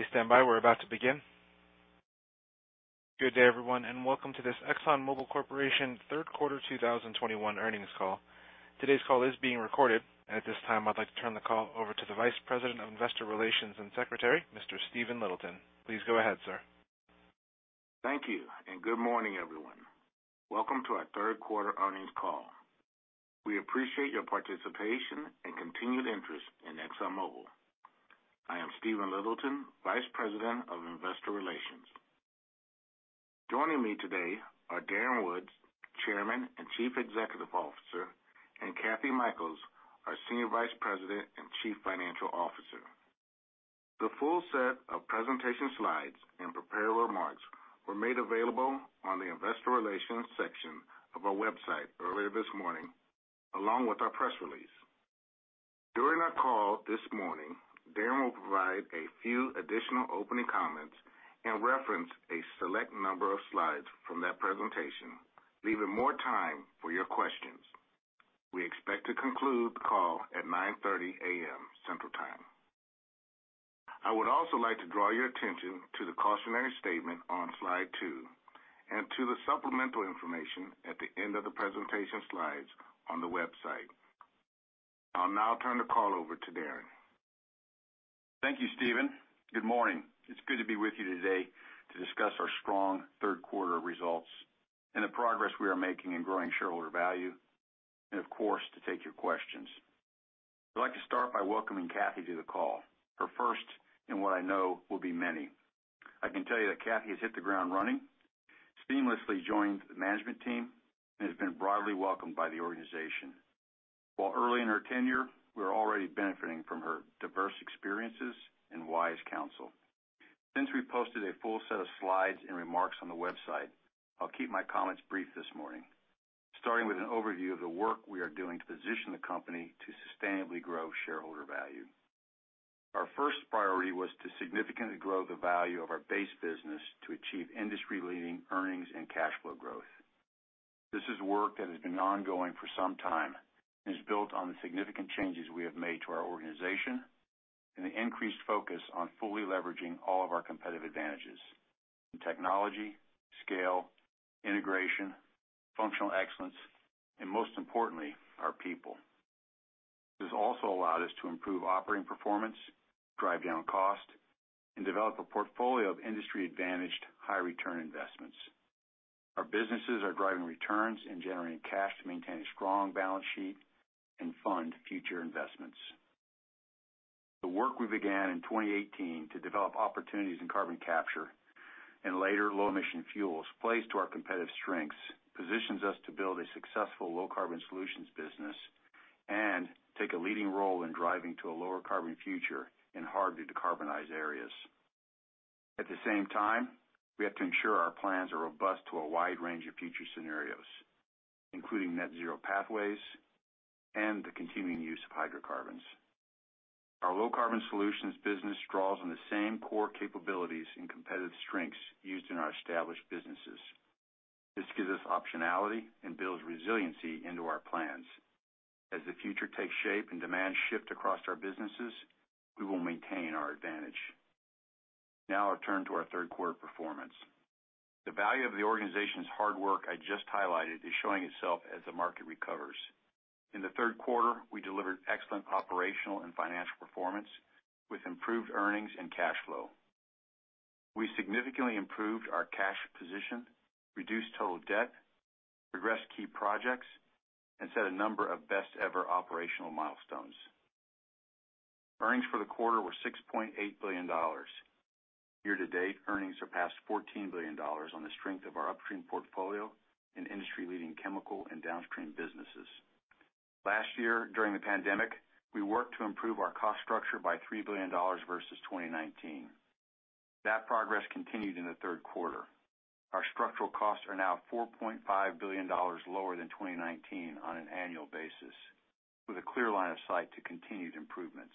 Please stand by. We're about to begin. Good day, everyone, and welcome to this ExxonMobil Corporation third quarter 2021 earnings call. Today's call is being recorded. At this time, I'd like to turn the call over to the Vice President of Investor Relations and Secretary, Mr. Stephen Littleton. Please go ahead, sir. Thank you, and good morning, everyone. Welcome to our third quarter earnings call. We appreciate your participation and continued interest in ExxonMobil. I am Stephen Littleton, Vice President of Investor Relations. Joining me today are Darren Woods, Chairman and Chief Executive Officer, and Kathryn Mikells, our Senior Vice President and Chief Financial Officer. The full set of presentation slides and prepared remarks were made available on the investor relations section of our website earlier this morning, along with our press release. During our call this morning, Darren will provide a few additional opening comments and reference a select number of slides from that presentation, leaving more time for your questions. We expect to conclude the call at 9:30 A.M. Central Time. I would also like to draw your attention to the cautionary statement on slide two and to the supplemental information at the end of the presentation slides on the website. I'll now turn the call over to Darren. Thank you, Stephen. Good morning. It's good to be with you today to discuss our strong third quarter results and the progress we are making in growing shareholder value and of course, to take your questions. I'd like to start by welcoming Kathy to the call, her first in what I know will be many. I can tell you that Kathy has hit the ground running, seamlessly joined the management team, and has been broadly welcomed by the organization. While early in her tenure, we're already benefiting from her diverse experiences and wise counsel. Since we posted a full set of slides and remarks on the website, I'll keep my comments brief this morning, starting with an overview of the work we are doing to position the company to sustainably grow shareholder value. Our first priority was to significantly grow the value of our base business to achieve industry-leading earnings and cash flow growth. This is work that has been ongoing for some time and is built on the significant changes we have made to our organization and the increased focus on fully leveraging all of our competitive advantages in technology, scale, integration, functional excellence, and most importantly, our people. This also allowed us to improve operating performance, drive down cost, and develop a portfolio of industry-advantaged high return investments. Our businesses are driving returns and generating cash to maintain a strong balance sheet and fund future investments. The work we began in 2018 to develop opportunities in carbon capture and later low-emission fuels plays to our competitive strengths, positions us to build a successful low-carbon solutions business and take a leading role in driving to a lower carbon future in hard-to-decarbonize areas. At the same time, we have to ensure our plans are robust to a wide range of future scenarios, including net zero pathways and the continuing use of hydrocarbons. Our low-carbon solutions business draws on the same core capabilities and competitive strengths used in our established businesses. This gives us optionality and builds resiliency into our plans. As the future takes shape and demand shift across our businesses, we will maintain our advantage. Now I turn to our third quarter performance. The value of the organization's hard work I just highlighted is showing itself as the market recovers. In the third quarter, we delivered excellent operational and financial performance with improved earnings and cash flow. We significantly improved our cash position, reduced total debt, progressed key projects, and set a number of best ever operational milestones. Earnings for the quarter were $6.8 billion. Year to date, earnings surpassed $14 billion on the strength of our upstream portfolio and industry-leading chemical and downstream businesses. Last year, during the pandemic, we worked to improve our cost structure by $3 billion versus 2019. That progress continued in the third quarter. Our structural costs are now $4.5 billion lower than 2019 on an annual basis, with a clear line of sight to continued improvements.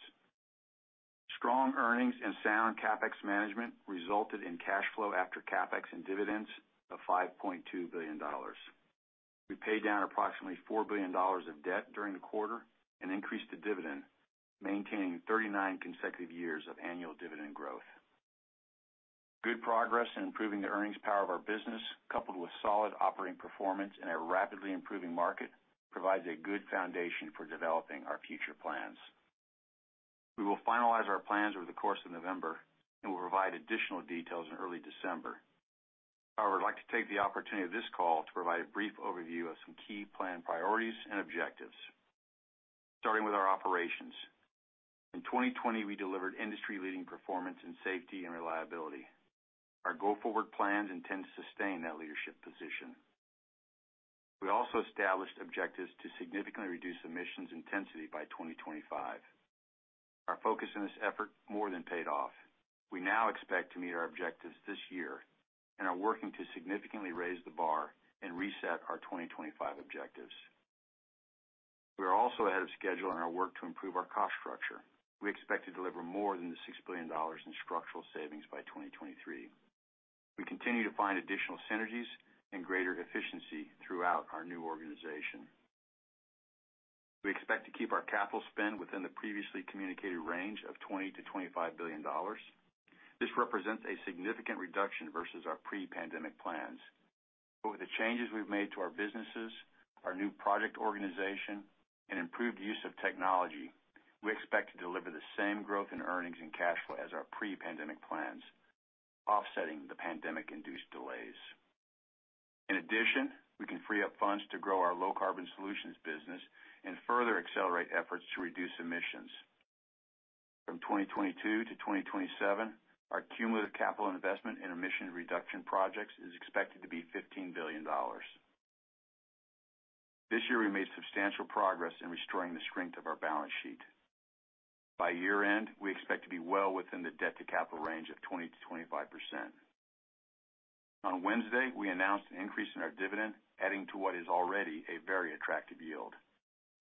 Strong earnings and sound CapEx management resulted in cash flow after CapEx and dividends of $5.2 billion. We paid down approximately $4 billion of debt during the quarter and increased the dividend, maintaining 39 consecutive years of annual dividend growth. Good progress in improving the earnings power of our business, coupled with solid operating performance in a rapidly improving market, provides a good foundation for developing our future plans. We will finalize our plans over the course of November and will provide additional details in early December. However, I would like to take the opportunity of this call to provide a brief overview of some key plan priorities and objectives, starting with our operations. In 2020, we delivered industry-leading performance in safety and reliability. Our go-forward plans intend to sustain that leadership position. We also established objectives to significantly reduce emissions intensity by 2025. Our focus in this effort more than paid off. We now expect to meet our objectives this year and are working to significantly raise the bar and reset our 2025 objectives. We are also ahead of schedule in our work to improve our cost structure. We expect to deliver more than $6 billion in structural savings by 2023. We continue to find additional synergies and greater efficiency throughout our new organization. We expect to keep our capital spend within the previously communicated range of $20 billion-$25 billion. This represents a significant reduction versus our pre-pandemic plans. With the changes we've made to our businesses, our new project organization, and improved use of technology, we expect to deliver the same growth in earnings and cash flow as our pre-pandemic plans, offsetting the pandemic-induced delays. In addition, we can free up funds to grow our low-carbon solutions business and further accelerate efforts to reduce emissions. From 2022 to 2027, our cumulative capital investment in emission reduction projects is expected to be $15 billion. This year, we made substantial progress in restoring the strength of our balance sheet. By year-end, we expect to be well within the debt-to-capital range of 20%-25%. On Wednesday, we announced an increase in our dividend, adding to what is already a very attractive yield.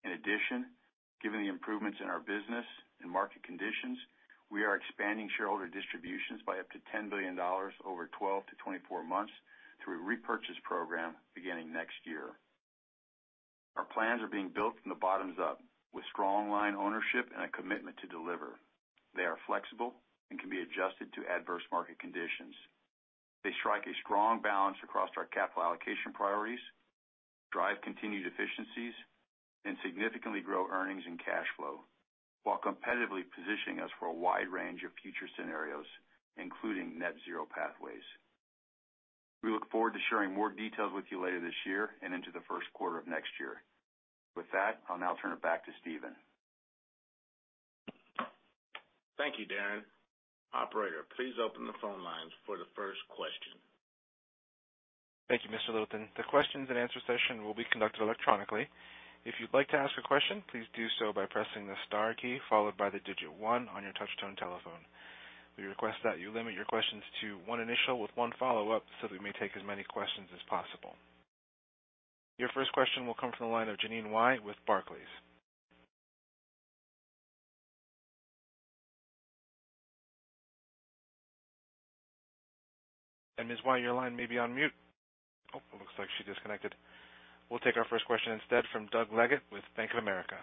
In addition, given the improvements in our business and market conditions, we are expanding shareholder distributions by up to $10 billion over 12-24 months through a repurchase program beginning next year. Our plans are being built from the bottoms up with strong line ownership and a commitment to deliver. They are flexible and can be adjusted to adverse market conditions. They strike a strong balance across our capital allocation priorities, drive continued efficiencies, and significantly grow earnings and cash flow while competitively positioning us for a wide range of future scenarios, including net zero pathways. We look forward to sharing more details with you later this year and into the first quarter of next year. With that, I'll now turn it back to Stephen. Thank you, Darren. Operator, please open the phone lines for the first question. Thank you, Mr. Littleton. The questions-and-answer session will be conducted electronically. If you'd like to ask a question, please do so by pressing the star key followed by the digit one on your touchtone telephone. We request that you limit your questions to one initial with one follow-up so we may take as many questions as possible. Your first question will come from the line of Jeanine Wai with Barclays. Ms. Wai, your line may be on mute. It looks like she disconnected. We'll take our first question instead from Doug Leggate with Bank of America.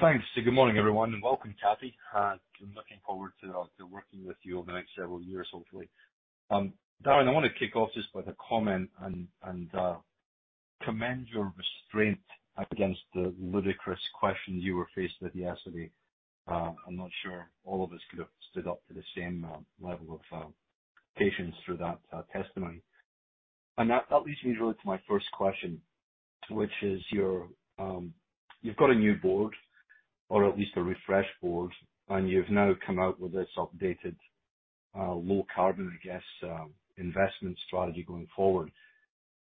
Thanks. Good morning, everyone, and welcome, Kathy. I'm looking forward to working with you over the next several years, hopefully. Darren, I want to kick off just with a comment and commend your restraint against the ludicrous questions you were faced with yesterday. I'm not sure all of us could have stood up to the same level of patience through that testimony. That leads me really to my first question, which is you've got a new board, or at least a refreshed board, and you've now come out with this updated low-carbon, I guess, investment strategy going forward.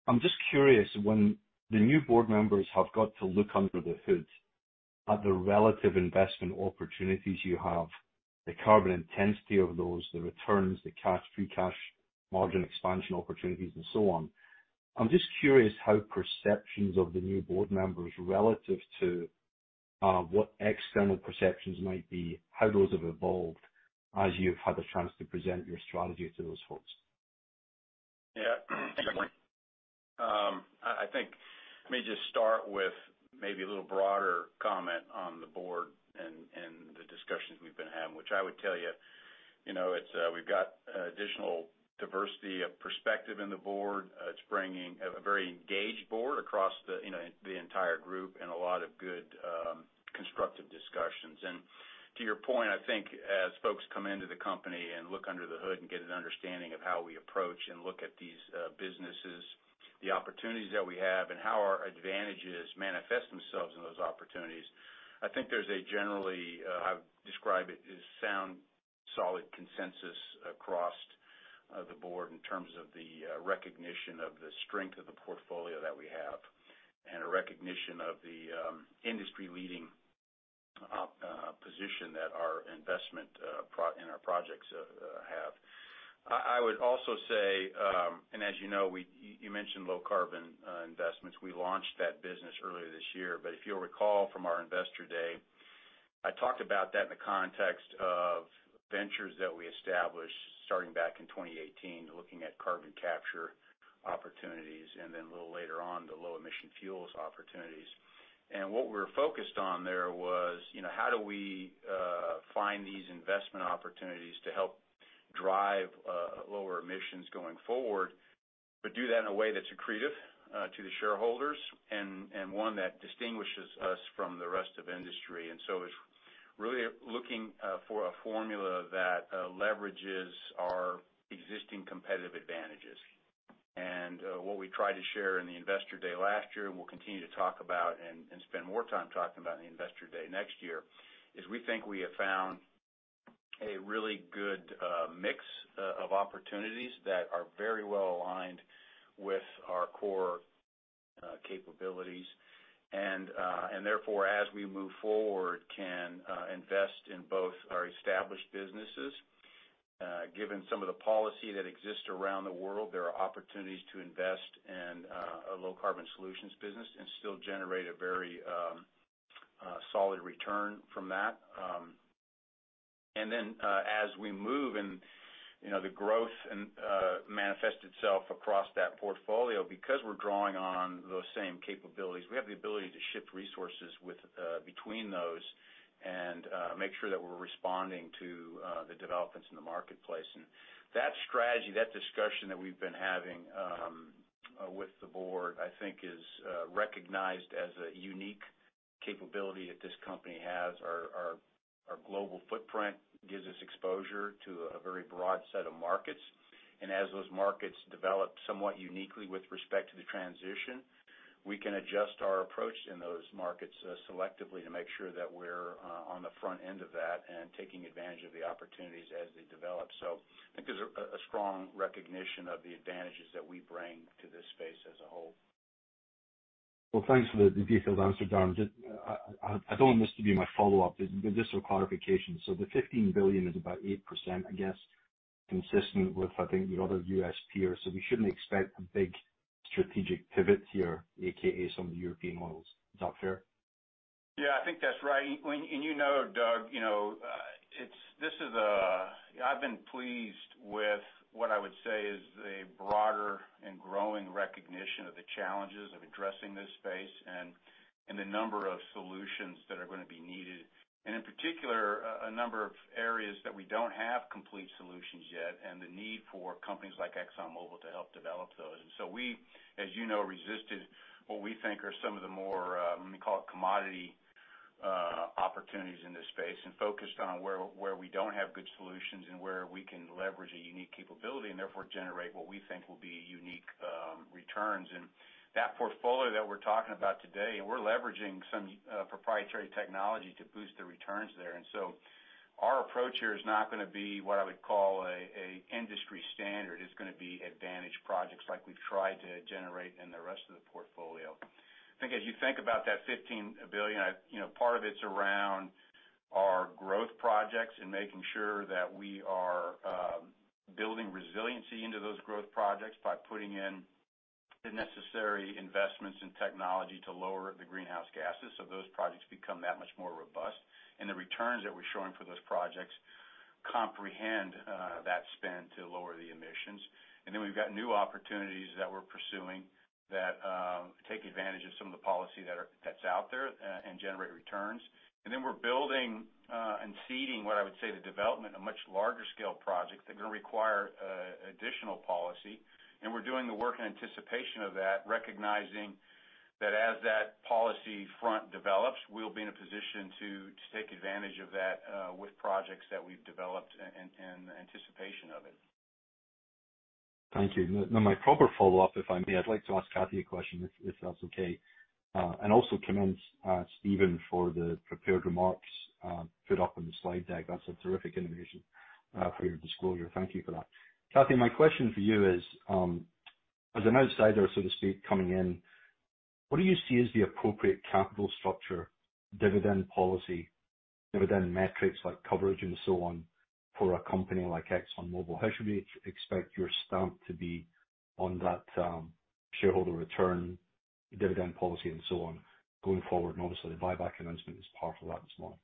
I'm just curious when the new board members have got to look under the hood at the relative investment opportunities you have, the carbon intensity of those, the returns, the cash, free cash margin expansion opportunities, and so on. I'm just curious how perceptions of the new board members relative to what external perceptions might be, how those have evolved as you've had the chance to present your strategy to those folks. Yeah. I think let me just start with maybe a little broader comment on the board and the discussions we've been having, which I would tell you know, it's we've got additional diversity of perspective in the board. It's bringing a very engaged board across the, you know, the entire group and a lot of good constructive discussions. To your point, I think as folks come into the company and look under the hood and get an understanding of how we approach and look at these businesses, the opportunities that we have, and how our advantages manifest themselves in those opportunities. I think there's generally, I would describe it as, a sound, solid consensus across the board in terms of the recognition of the strength of the portfolio that we have and a recognition of the industry-leading position that our investment program in our projects have. I would also say, and as you know, you mentioned low carbon investments. We launched that business earlier this year. If you'll recall from our Investor Day, I talked about that in the context of ventures that we established starting back in 2018, looking at carbon capture opportunities and then a little later on, the low-emission fuels opportunities. What we're focused on there was, you know, how do we find these investment opportunities to help drive lower emissions going forward, but do that in a way that's accretive to the shareholders and one that distinguishes us from the rest of industry. It's really looking for a formula that leverages our existing competitive advantages. What we tried to share in the Investor Day last year and we'll continue to talk about and spend more time talking about in the Investor Day next year is we think we have found a really good mix of opportunities that are very well aligned with our core capabilities. Therefore, as we move forward, we can invest in both our established businesses. Given some of the policy that exists around the world, there are opportunities to invest in a low-carbon solutions business and still generate a very solid return from that. As we move, you know, the growth manifests itself across that portfolio because we're drawing on those same capabilities, we have the ability to shift resources between those and make sure that we're responding to the developments in the marketplace. That strategy, that discussion that we've been having with the board, I think is recognized as a unique capability that this company has. Our global footprint gives us exposure to a very broad set of markets. As those markets develop somewhat uniquely with respect to the transition, we can adjust our approach in those markets selectively to make sure that we're on the front end of that and taking advantage of the opportunities as they develop. I think there's a strong recognition of the advantages that we bring to this space as a whole. Well, thanks for the detailed answer, Darren. Just, I don't want this to be my follow-up. This is a clarification. The $15 billion is about 8%, I guess, consistent with, I think, your other U.S. peers. We shouldn't expect a big strategic pivot here, AKA some of the European models. Is that fair? Yeah, I think that's right. You know, Doug, you know, I've been pleased with what I would say is a broader and growing recognition of the challenges of addressing this space and the number of solutions that are going to be needed. In particular, a number of areas that we don't have complete solutions yet and the need for companies like ExxonMobil to help develop those. We, as you know, resisted what we think are some of the more, let me call it commodity, opportunities in this space and focused on where we don't have good solutions and where we can leverage a unique capability and therefore generate what we think will be unique, returns. That portfolio that we're talking about today, and we're leveraging some, proprietary technology to boost the returns there. Our approach here is not going to be what I would call a industry standard. It's going to be advantage projects like we've tried to generate in the rest of the portfolio. I think as you think about that $15 billion, you know, part of it's around our growth projects and making sure that we are building resiliency into those growth projects by putting in the necessary investments in technology to lower the greenhouse gases, so those projects become that much more robust. The returns that we're showing for those projects comprehend that spend to lower the emissions. Then we've got new opportunities that we're pursuing that take advantage of some of the policy that's out there and generate returns. We're building and seeding what I would say the development of much larger scale projects that are going to require additional policy. We're doing the work in anticipation of that, recognizing that as that policy front develops, we'll be in a position to take advantage of that with projects that we've developed in anticipation of it. Thank you. Now, my proper follow-up, if I may, I'd like to ask Kathy a question if that's okay. Also commend Stephen for the prepared remarks put up on the slide deck. That's a terrific innovation for your disclosure. Thank you for that. Kathy, my question for you is, as an outsider, so to speak, coming in, what do you see as the appropriate capital structure dividend policy, dividend metrics like coverage and so on for a company like ExxonMobil? How should we expect your stamp to be on that, shareholder return dividend policy and so on going forward? Obviously, the buyback announcement is part of that as well.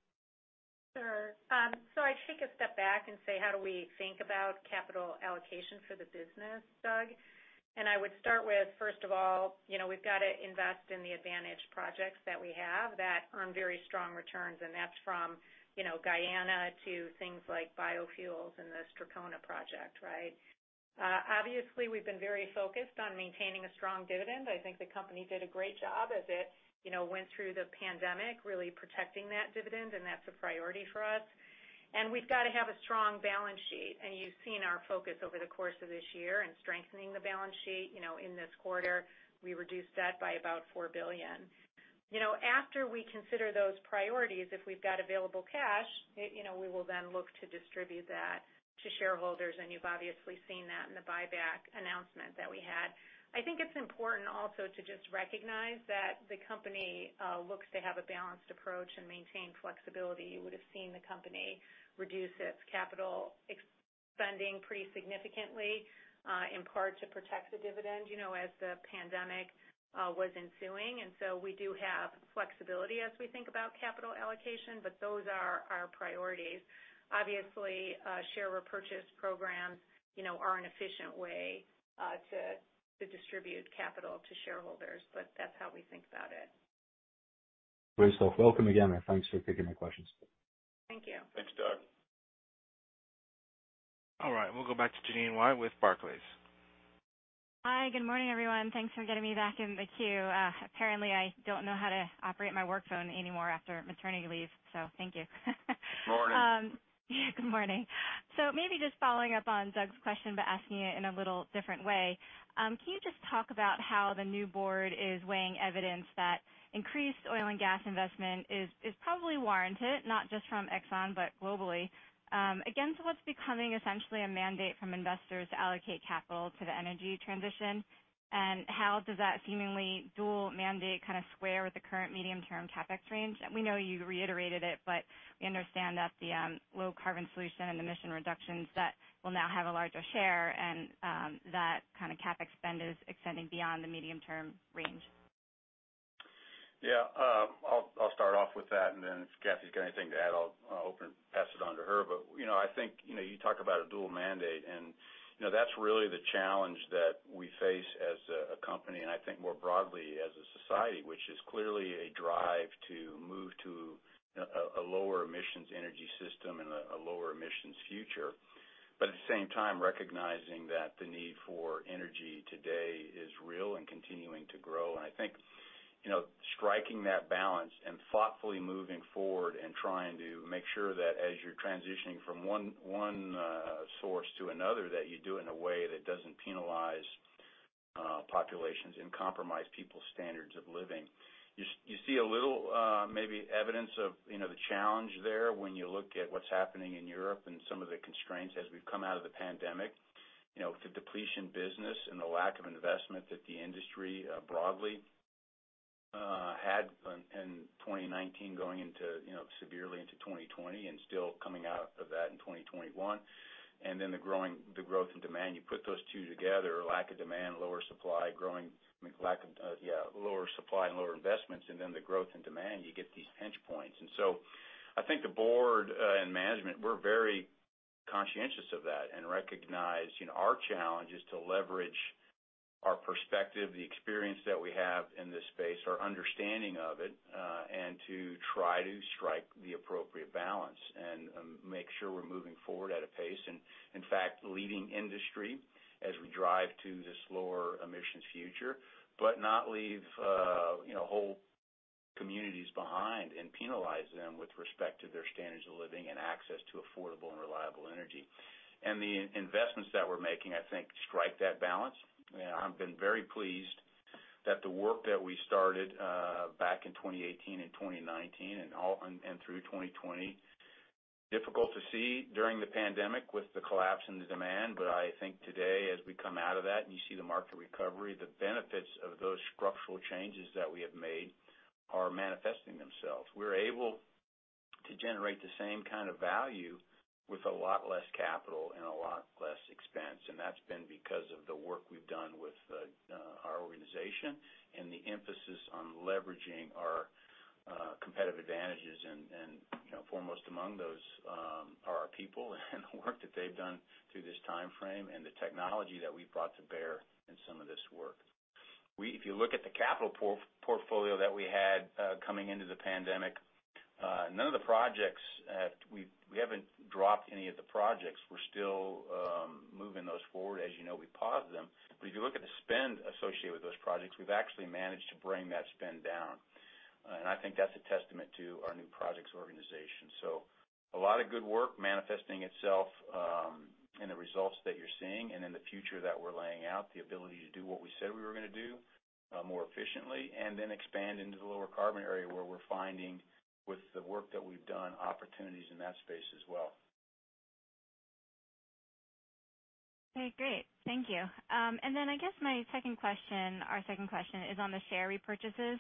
Sure. I take a step back and say, how do we think about capital allocation for the business, Doug? I would start with, first of all, you know, we've got to invest in the advantage projects that we have that earn very strong returns, and that's from, you know, Guyana to things like biofuels and the Strathcona project, right? Obviously we've been very focused on maintaining a strong dividend. I think the company did a great job as it, you know, went through the pandemic, really protecting that dividend, and that's a priority for us. We've got to have a strong balance sheet. You've seen our focus over the course of this year in strengthening the balance sheet. You know, in this quarter, we reduced debt by about $4 billion. You know, after we consider those priorities, if we've got available cash, you know, we will then look to distribute that to shareholders, and you've obviously seen that in the buyback announcement that we had. I think it's important also to just recognize that the company looks to have a balanced approach and maintain flexibility. You would have seen the company reduce its capital spending pretty significantly in part to protect the dividend, you know, as the pandemic was ensuing. We do have flexibility as we think about capital allocation, but those are our priorities. Obviously, share repurchase programs, you know, are an efficient way to distribute capital to shareholders, but that's how we think about it. Great stuff. Welcome again, and thanks for taking my questions. Thank you. Thanks, Doug. All right. We'll go back to Jeanine Wai with Barclays. Hi, good morning, everyone. Thanks for getting me back in the queue. Apparently, I don't know how to operate my work phone anymore after maternity leave, so thank you. Morning. Yeah, good morning. Maybe just following up on Doug's question, but asking it in a little different way. Can you just talk about how the new board is weighing evidence that increased oil and gas investment is probably warranted, not just from Exxon but globally, against what's becoming essentially a mandate from investors to allocate capital to the energy transition? And how does that seemingly dual mandate kind of square with the current medium-term CapEx range? We know you reiterated it, but we understand that the low-carbon solution and emission reductions that will now have a larger share and that kind of CapEx spend is extending beyond the medium-term range. Yeah. I'll start off with that, and then if Kathy's got anything to add, I'll open it up and pass it on to her. You know, I think you talk about a dual mandate, and you know, that's really the challenge that we face as a company, and I think more broadly as a society, which is clearly a drive to move to a lower emissions energy system and a lower emissions future. At the same time, recognizing that the need for energy today is real and continuing to grow. I think you know, striking that balance and thoughtfully moving forward and trying to make sure that as you're transitioning from one source to another, that you do it in a way that doesn't penalize populations and compromise people's standards of living. You see a little, maybe evidence of, you know, the challenge there when you look at what's happening in Europe and some of the constraints as we've come out of the pandemic, you know, the depletion business and the lack of investment that the industry broadly had in 2019 going into, you know, severely into 2020 and still coming out of that in 2021. The growth in demand, you put those two together, lower supply and lower investments, and then the growth in demand, you get these pinch points. I think the board and management, we're very conscientious of that and recognize, you know, our challenge is to leverage our perspective, the experience that we have in this space, our understanding of it, and to try to strike the appropriate balance and make sure we're moving forward at a pace and, in fact, leading industry as we drive to this lower emissions future, but not leave, you know, whole communities behind and penalize them with respect to their standards of living and access to affordable and reliable energy. The investments that we're making, I think, strike that balance. I've been very pleased that the work that we started back in 2018 and 2019 and through 2020, difficult to see during the pandemic with the collapse in the demand. I think today as we come out of that and you see the market recovery, the benefits of those structural changes that we have made are manifesting themselves. We're able to generate the same kind of value with a lot less capital and a lot less expense. That's been because of the work we've done with our organization and the emphasis on leveraging our competitive advantages. You know, foremost among those are our people and the work that they've done through this timeframe and the technology that we've brought to bear in some of this work. If you look at the capital portfolio that we had coming into the pandemic, we haven't dropped any of the projects. We're still moving those forward. As you know, we paused them. If you look at the spend associated with those projects, we've actually managed to bring that spend down. I think that's a testament to our new projects organization. A lot of good work manifesting itself in the results that you're seeing and in the future that we're laying out, the ability to do what we said we were going to do more efficiently and then expand into the lower carbon area where we're finding with the work that we've done, opportunities in that space as well. Okay, great. Thank you. I guess my second question, our second question is on the share repurchases.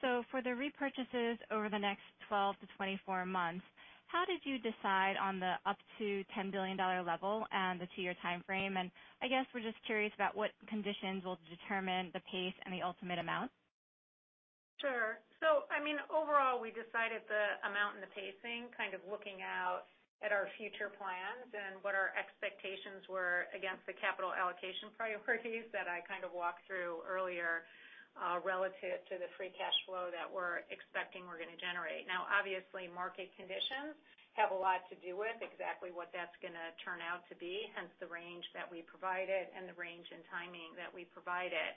For the repurchases over the next 12-24 months, how did you decide on the up to $10 billion level and the two-year timeframe? I guess we're just curious about what conditions will determine the pace and the ultimate amount. Sure. I mean, overall, we decided the amount and the pacing kind of looking out at our future plans and what our expectations were against the capital allocation priorities that I kind of walked through earlier, relative to the free cash flow that we're expecting to generate. Now obviously, market conditions have a lot to do with exactly what that's going to turn out to be, hence the range that we provided and the range and timing that we provided.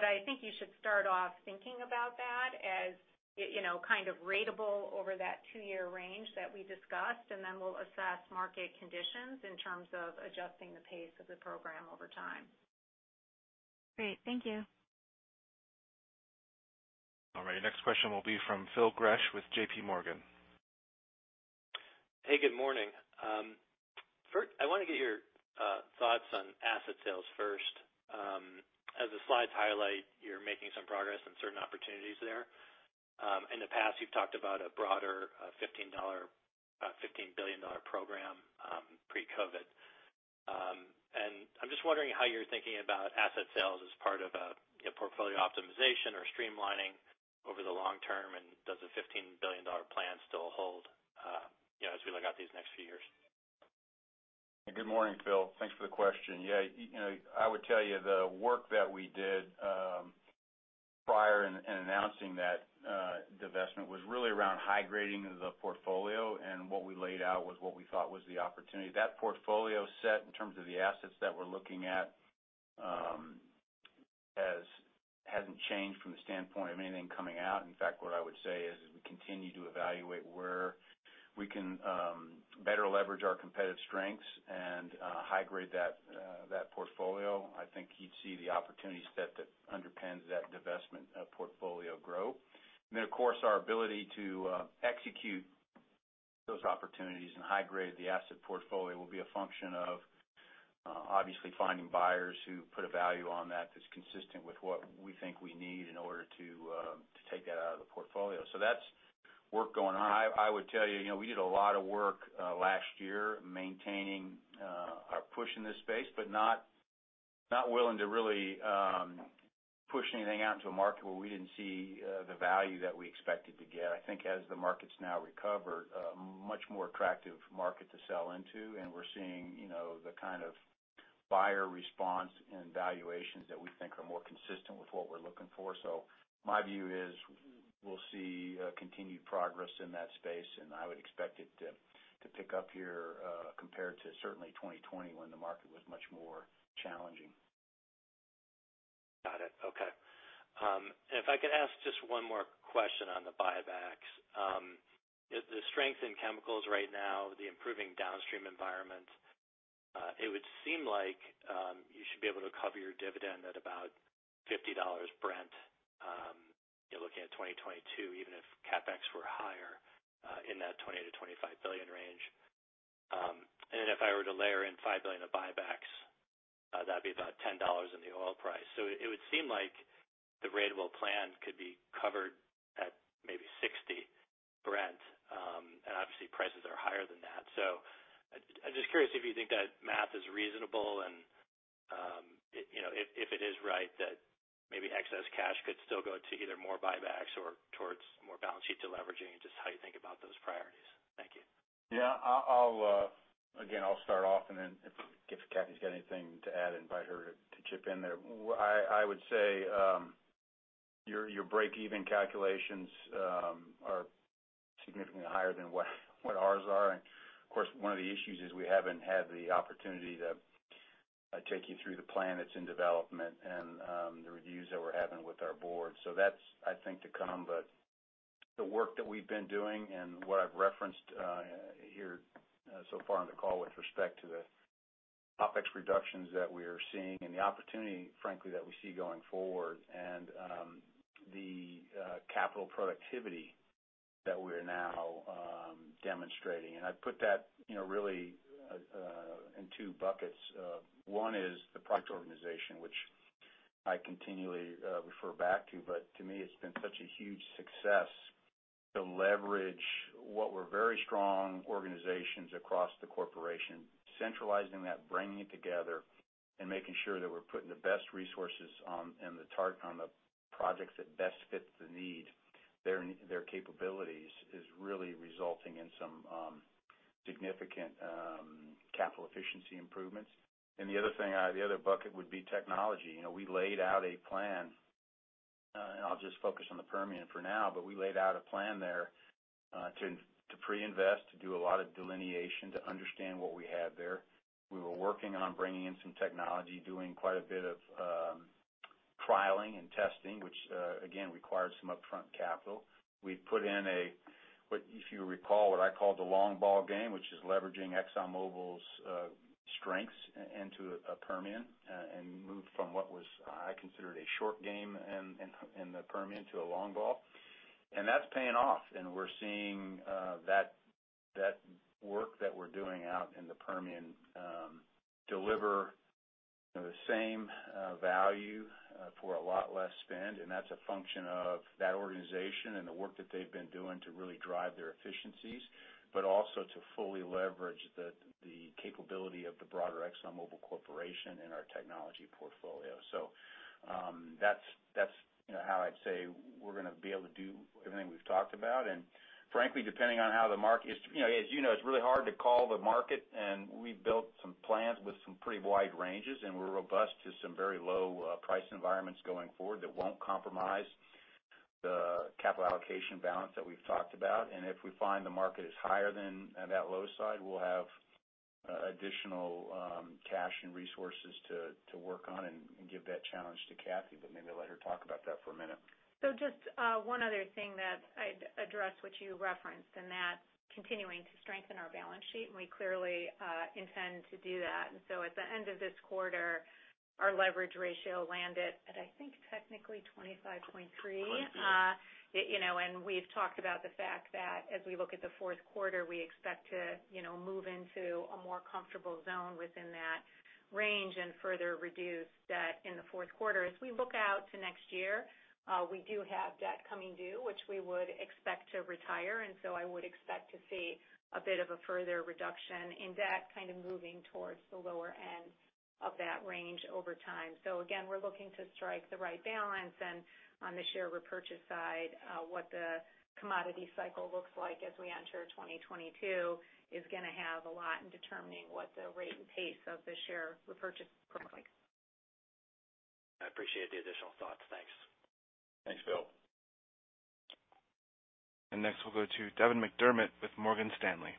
I think you should start off thinking about that as you know, kind of ratable over that two-year range that we discussed, and then we'll assess market conditions in terms of adjusting the pace of the program over time. Great. Thank you. All right, next question will be from Phil Gresh with JPMorgan. Hey, good morning. First, I want to get your thoughts on asset sales first. As the slides highlight, you're making some progress on certain opportunities there. In the past, you've talked about a broader $15 billion program pre-COVID. I'm just wondering how you're thinking about asset sales as part of a, you know, portfolio optimization or streamlining over the long-term, and does the $15 billion plan still hold, you know, as we look out these next few years? Good morning, Phil. Thanks for the question. Yeah, you know, I would tell you the work that we did prior to announcing that divestment was really around high grading of the portfolio, and what we laid out was what we thought was the opportunity. That portfolio set in terms of the assets that we're looking at hasn't changed from the standpoint of anything coming out. In fact, what I would say is we continue to evaluate where we can better leverage our competitive strengths and high grade that portfolio. I think you'd see the opportunity set that underpins that divestment portfolio grow. Of course, our ability to execute those opportunities and high grade the asset portfolio will be a function of obviously finding buyers who put a value on that that's consistent with what we think we need in order to take that out of the portfolio. That's work going on. I would tell you know, we did a lot of work last year maintaining our push in this space, but not willing to really push anything out to a market where we didn't see the value that we expected to get. I think as the market's now recovered, a much more attractive market to sell into, and we're seeing, you know, the kind of buyer response and valuations that we think are more consistent with what we're looking for. My view is we'll see continued progress in that space, and I would expect it to pick up here compared to certainly 2020 when the market was much more challenging. Got it. Okay. If I could ask just one more question on the buybacks. The strength in chemicals right now, the improving downstream environment, it would seem like you should be able to cover your dividend at about $50 Brent. You're looking at 2022, even if CapEx were higher in that $20 billion-$25 billion range. If I were to layer in $5 billion of buybacks, that'd be about $10 in the oil price. It would seem like the rate of plan could be covered at maybe $60 Brent, and obviously prices are higher than that. I'm just curious if you think that math is reasonable and, you know, if it is right that maybe excess cash could still go to either more buybacks or towards more balance sheet deleveraging, and just how you think about those priorities. Thank you. Yeah. I'll again start off, and then if Kathy's got anything to add, invite her to chip in there. I would say your breakeven calculations are significantly higher than what ours are. Of course, one of the issues is we haven't had the opportunity to take you through the plan that's in development and the reviews that we're having with our board. That's, I think, to come. The work that we've been doing and what I've referenced here so far on the call with respect to the OpEx reductions that we are seeing and the opportunity, frankly, that we see going forward and the capital productivity that we're now demonstrating. I'd put that, you know, really, in two buckets. One is the product organization, which I continually refer back to. To me, it's been such a huge success to leverage what were very strong organizations across the corporation, centralizing that, bringing it together, and making sure that we're putting the best resources on and the target on the projects that best fit the need. Their capabilities is really resulting in some significant capital efficiency improvements. The other thing, the other bucket would be technology. You know, we laid out a plan, and I'll just focus on the Permian for now, but we laid out a plan there, to pre-invest, to do a lot of delineation, to understand what we have there. We were working on bringing in some technology, doing quite a bit of trialing and testing, which again, required some upfront capital. We put in a what, if you recall, what I call the long ball game, which is leveraging ExxonMobil's strengths into Permian and moved from what I considered a short game in the Permian to a long ball. That's paying off. We're seeing that work that we're doing out in the Permian deliver the same value for a lot less spend. That's a function of that organization and the work that they've been doing to really drive their efficiencies, but also to fully leverage the capability of the broader ExxonMobil Corporation in our technology portfolio. That's you know how I'd say we're going to be able to do everything we've talked about. Frankly, depending on how the market is, you know, as you know, it's really hard to call the market, and we've built some plans with some pretty wide ranges, and we're robust to some very low price environments going forward that won't compromise the capital allocation balance that we've talked about. If we find the market is higher than that low side, we'll have additional cash and resources to work on and give that challenge to Kathy, but maybe I'll let her talk about that for a minute. Just one other thing that I'd address what you referenced, and that's continuing to strengthen our balance sheet, and we clearly intend to do that. At the end of this quarter, our leverage ratio landed at, I think, technically 25.3%. You know, we've talked about the fact that as we look at the fourth quarter, we expect to, you know, move into a more comfortable zone within that range and further reduce debt in the fourth quarter. As we look out to next year, we do have debt coming due, which we would expect to retire. I would expect to see a bit of a further reduction in debt kind of moving towards the lower end of that range over time. Again, we're looking to strike the right balance. On the share repurchase side, what the commodity cycle looks like as we enter 2022 is going to have a lot in determining what the rate and pace of the share repurchase looks like. I appreciate the additional thoughts. Thanks. Thanks, Phil. Next, we'll go to Devin McDermott with Morgan Stanley.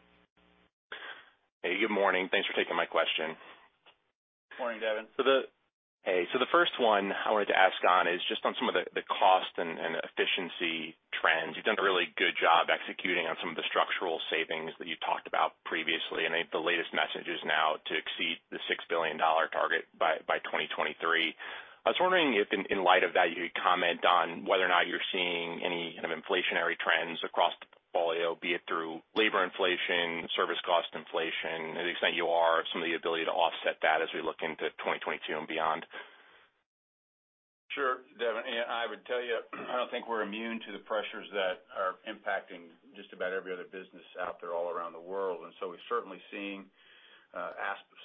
Hey, good morning. Thanks for taking my question. Morning, Devin. Hey. So the first one I wanted to ask on is just on some of the cost and efficiency trends. You've done a really good job executing on some of the structural savings that you talked about previously, and I think the latest message is now to exceed the $6 billion target by 2023. I was wondering if in light of that, you could comment on whether or not you're seeing any kind of inflationary trends across the portfolio, be it through labor inflation, service cost inflation. To the extent you are, some of the ability to offset that as we look into 2022 and beyond. Sure, Devin. I would tell you, I don't think we're immune to the pressures that are impacting just about every other business out there all around the world. We're certainly seeing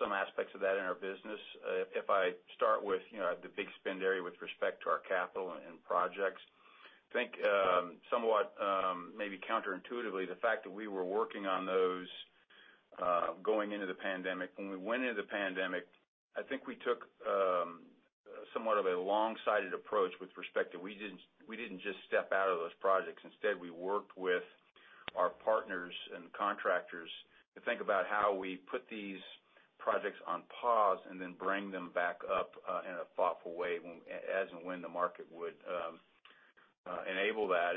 some aspects of that in our business. If I start with, you know, the big spend area with respect to our capital and projects, I think somewhat maybe counterintuitively, the fact that we were working on those going into the pandemic, when we went into the pandemic, I think we took somewhat of a long-sighted approach with respect to we didn't just step out of those projects. Instead, we worked with our partners and contractors to think about how we put these projects on pause and then bring them back up in a thoughtful way when as and when the market would enable that.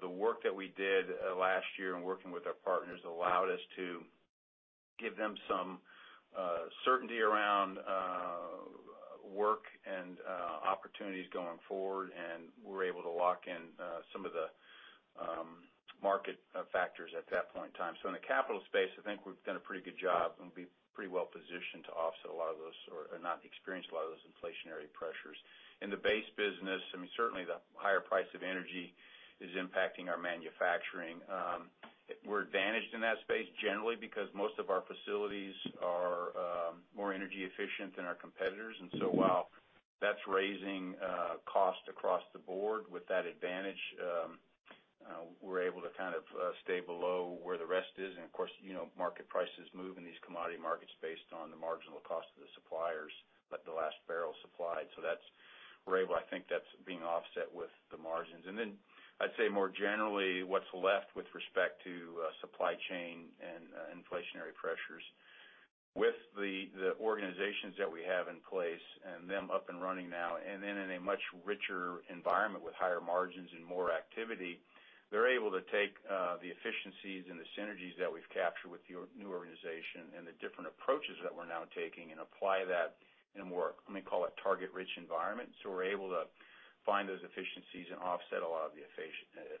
The work that we did last year in working with our partners allowed us to give them some certainty around work and opportunities going forward, and we were able to lock in some of the market factors at that point in time. In the capital space, I think we've done a pretty good job and we'd be pretty well positioned to offset a lot of those or not experience a lot of those inflationary pressures. In the base business, I mean, certainly the higher price of energy is impacting our manufacturing. We're advantaged in that space generally because most of our facilities are more energy efficient than our competitors. While that's raising cost across the board with that advantage, we're able to kind of stay below where the rest is. Of course, you know, market prices move in these commodity markets based on the marginal cost of the suppliers at the last barrel supplied. I think that's being offset with the margins. I'd say more generally, what's left with respect to supply chain and inflationary pressures. With the organizations that we have in place and them up and running now, and then in a much richer environment with higher margins and more activity, they're able to take the efficiencies and the synergies that we've captured with the new organization and the different approaches that we're now taking and apply that in a more, let me call it, target-rich environment. We're able to find those efficiencies and offset a lot of the inflation. I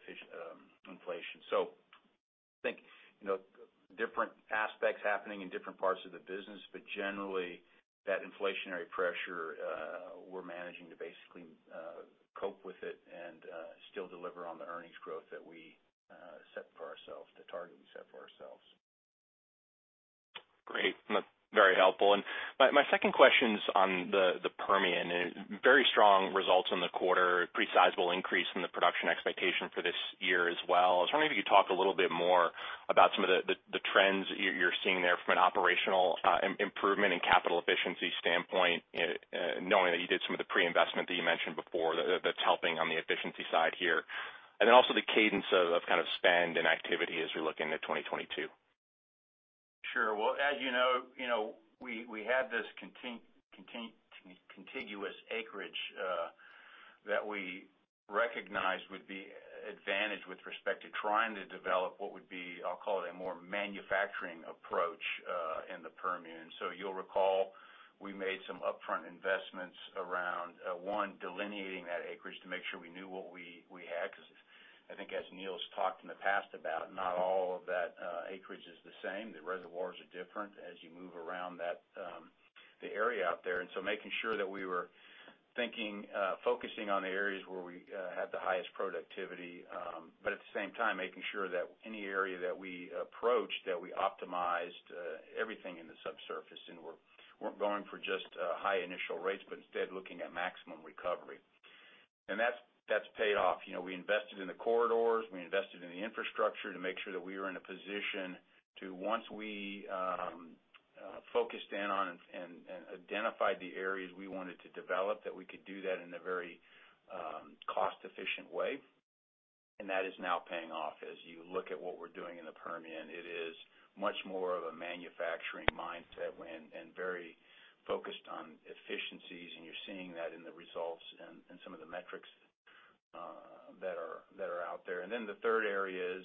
think, you know, different aspects happening in different parts of the business, but generally that inflationary pressure, we're managing to basically cope with it and still deliver on the earnings growth that we set for ourselves, the target we set for ourselves. Great. That's very helpful. My second question's on the Permian. Very strong results in the quarter, pretty sizable increase in the production expectation for this year as well. I was wondering if you could talk a little bit more about some of the trends you're seeing there from an operational improvement and capital efficiency standpoint, knowing that you did some of the pre-investment that you mentioned before that's helping on the efficiency side here. Also the cadence of kind of spend and activity as we look into 2022. Sure. Well, as you know, we had this contiguous acreage that we recognized would be an advantage with respect to trying to develop what would be, I'll call it, a more manufacturing approach in the Permian. You'll recall, we made some upfront investments around one, delineating that acreage to make sure we knew what we had, because I think as Neil's talked in the past about, not all of that acreage is the same. The reservoirs are different as you move around that, the area out there. Making sure that we were thinking, focusing on the areas where we had the highest productivity, but at the same time, making sure that any area that we approached, that we optimized everything in the subsurface, and we're going for just high initial rates, but instead looking at maximum recovery. That's paid off. You know, we invested in the corridors, we invested in the infrastructure to make sure that we were in a position to, once we focused in on and identified the areas we wanted to develop, that we could do that in a very cost efficient way. That is now paying off. As you look at what we're doing in the Permian, it is much more of a manufacturing mindset and very focused on efficiencies, and you're seeing that in the results and some of the metrics that are out there. Then the third area is,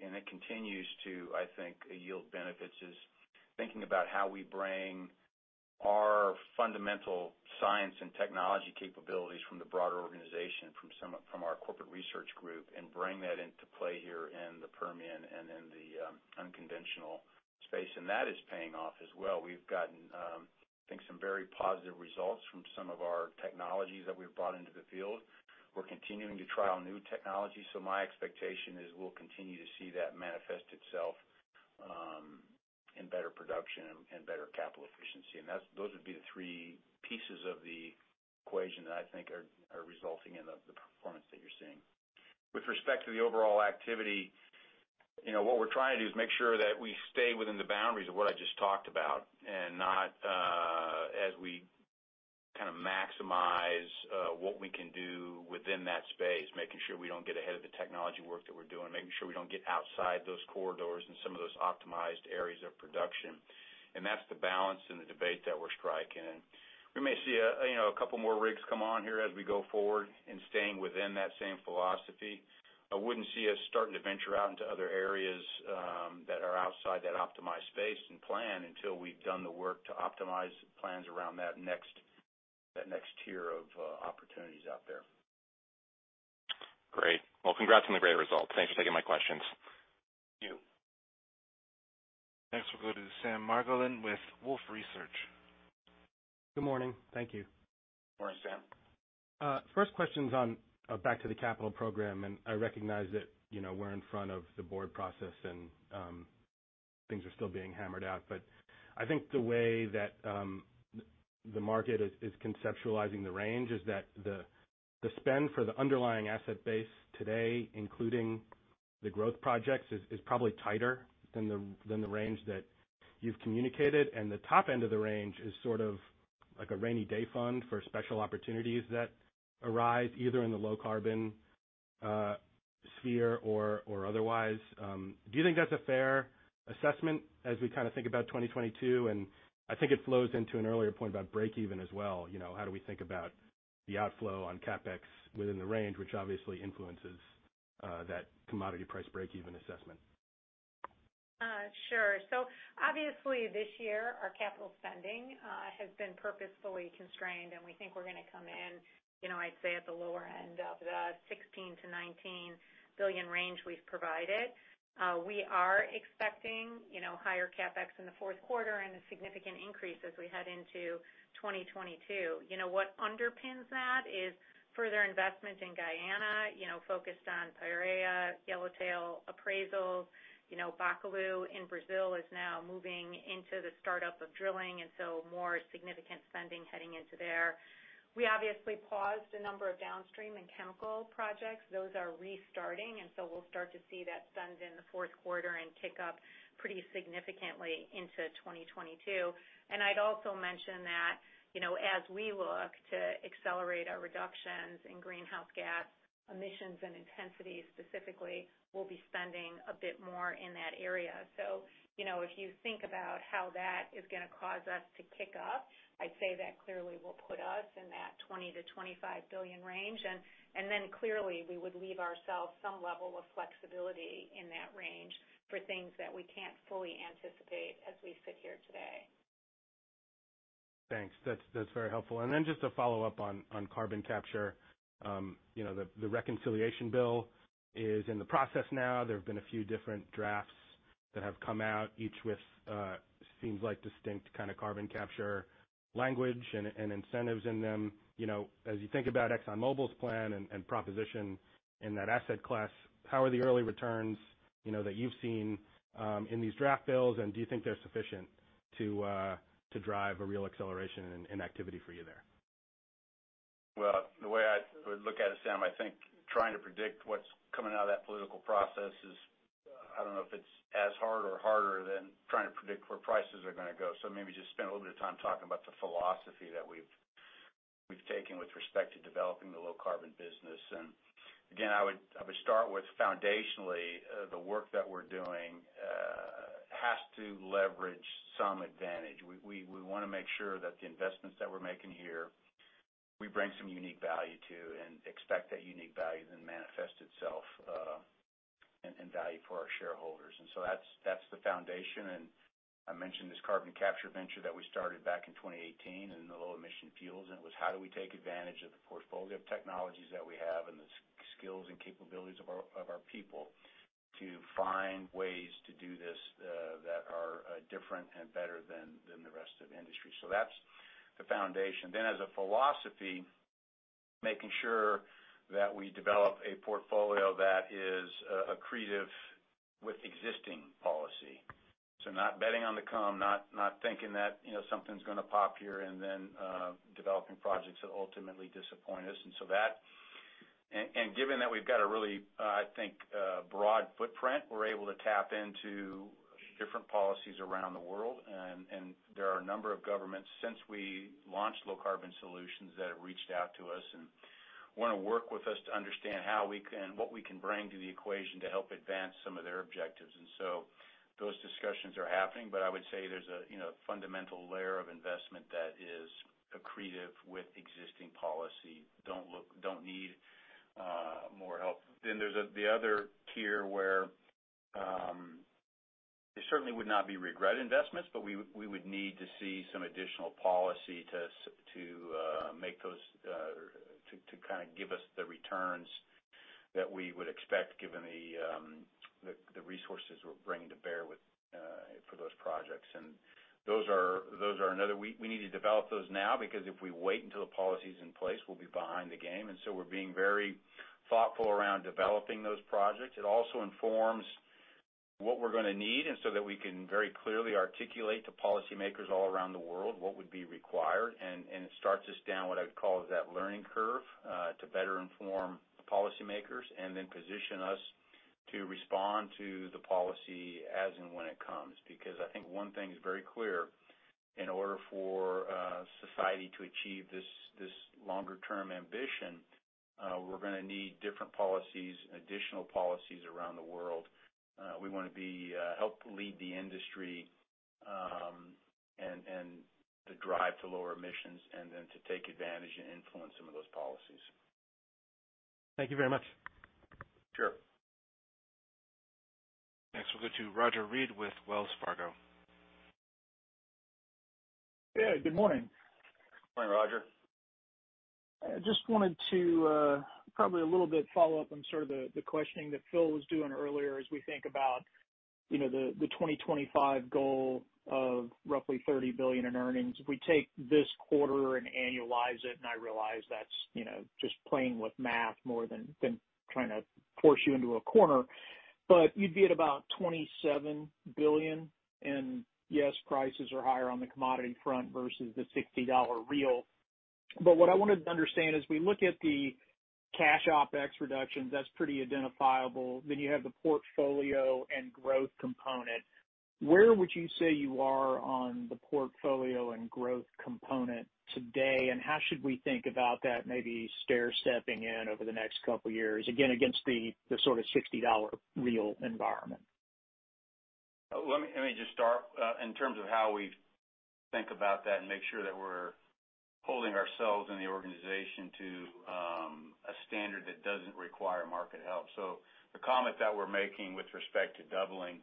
it continues to, I think, yield benefits, is thinking about how we bring our fundamental science and technology capabilities from the broader organization, from our corporate research group, and bring that into play here in the Permian and in the unconventional space. That is paying off as well. We've gotten, I think some very positive results from some of our technologies that we've brought into the field. We're continuing to trial new technologies. My expectation is we'll continue to see that manifest itself in better production and better capital efficiency. Those would be the three pieces of the equation that I think are resulting in the performance that you're seeing. With respect to the overall activity, you know, what we're trying to do is make sure that we stay within the boundaries of what I just talked about, and not as we kind of maximize what we can do within that space, making sure we don't get ahead of the technology work that we're doing, making sure we don't get outside those corridors and some of those optimized areas of production. That's the balance and the debate that we're striking. We may see a you know a couple more rigs come on here as we go forward in staying within that same philosophy. I wouldn't see us starting to venture out into other areas that are outside that optimized space and plan until we've done the work to optimize plans around that next tier of opportunities out there. Great. Well, congrats on the great results. Thanks for taking my questions. Thank you. Next we go to Sam Margolin with Wolfe Research. Good morning. Thank you. Morning, Sam. First question's on back to the capital program, and I recognize that, you know, we're in front of the board process and things are still being hammered out. I think the way that the market is conceptualizing the range is that the spend for the underlying asset base today, including the growth projects, is probably tighter than the range that you've communicated. The top end of the range is sort of like a rainy day fund for special opportunities that arise either in the low carbon sphere or otherwise. Do you think that's a fair assessment as we kind of think about 2022? I think it flows into an earlier point about breakeven as well, you know, how do we think about the outflow on CapEx within the range which obviously influences that commodity price breakeven assessment? Sure. Obviously, this year, our capital spending has been purposefully constrained, and we think we're going to come in, you know, I'd say at the lower end of the $16 billion-$19 billion range we've provided. We are expecting, you know, higher CapEx in the fourth quarter and a significant increase as we head into 2022. You know, what underpins that is further investment in Guyana, you know, focused on Payara, Yellowtail appraisals. You know, Bacalhau in Brazil is now moving into the start-up of drilling, and so more significant spending heading into there. We obviously paused a number of downstream and chemical projects. Those are restarting, and so we'll start to see that spend in the fourth quarter and kick up pretty significantly into 2022. I'd also mention that, you know, as we look to accelerate our reductions in greenhouse gas emissions and intensity specifically, we'll be spending a bit more in that area. You know, if you think about how that is going to cause us to kick up, I'd say that clearly will put us in that $20 billion-$25 billion range. Then clearly, we would leave ourselves some level of flexibility in that range for things that we can't fully anticipate as we sit here today. Thanks. That's very helpful. Then just a follow-up on carbon capture. You know, the reconciliation bill is in the process now. There have been a few different drafts that have come out, each with seems like distinct kind of carbon capture language and incentives in them. You know, as you think about ExxonMobil's plan and proposition in that asset class, how are the early returns, you know, that you've seen in these draft bills, and do you think they're sufficient to drive a real acceleration and activity for you there? Well, the way I would look at it, Sam, I think trying to predict what's coming out of that political process is. I don't know if it's as hard or harder than trying to predict where prices are going to go. Maybe just spend a little bit of time talking about the philosophy that we've taken with respect to developing the low carbon business. Again, I would start with foundationally, the work that we're doing has to leverage some advantage. We want to make sure that the investments that we're making here, we bring some unique value to and expect that unique value then manifest itself in value for our shareholders. That's the foundation. I mentioned this carbon capture venture that we started back in 2018 in the low-emission fuels, and it was how do we take advantage of the portfolio of technologies that we have and the skills and capabilities of our people to find ways to do this that are different and better than the rest of the industry. That's the foundation. As a philosophy, making sure that we develop a portfolio that is accretive with existing policy. Not betting on the come, not thinking that, you know, something's going to pop here and then developing projects that ultimately disappoint us. Given that we've got a really broad footprint, I think, we're able to tap into different policies around the world. There are a number of governments since we launched low-carbon solutions that have reached out to us and want to work with us to understand what we can bring to the equation to help advance some of their objectives. Those discussions are happening, but I would say there's a you know fundamental layer of investment that is accretive with existing policy. Don't need more help. There's the other tier where they certainly would not be regret investments, but we would need to see some additional policy to make those to kind of give us the returns that we would expect given the resources we're bringing to bear for those projects. Those are another. We need to develop those now because if we wait until the policy's in place, we'll be behind the game. We're being very thoughtful around developing those projects. It also informs what we're going to need and so that we can very clearly articulate to policymakers all around the world what would be required, and it starts us down what I'd call that learning curve to better inform the policymakers and then position us to respond to the policy as and when it comes. Because I think one thing is very clear, in order for society to achieve this longer-term ambition, we're going to need different policies and additional policies around the world. We want to help lead the industry and the drive to lower emissions and then to take advantage and influence some of those policies. Thank you very much. Sure. Next, we'll go to Roger Read with Wells Fargo. Yeah. Good morning. Morning, Roger. I just wanted to probably a little bit follow up on sort of the questioning that Phil was doing earlier as we think about, you know, the 2025 goal of roughly $30 billion in earnings. If we take this quarter and annualize it, and I realize that's, you know, just playing with math more than trying to force you into a corner, but you'd be at about $27 billion. Yes, prices are higher on the commodity front versus the $60 real. What I wanted to understand, as we look at the cash OpEx reductions, that's pretty identifiable, then you have the portfolio and growth component. Where would you say you are on the portfolio and growth component today? How should we think about that maybe stair stepping in over the next couple years, again, against the sort of $60 real environment? Let me just start in terms of how we think about that and make sure that we're holding ourselves in the organization to a standard that doesn't require market help. The comment that we're making with respect to doubling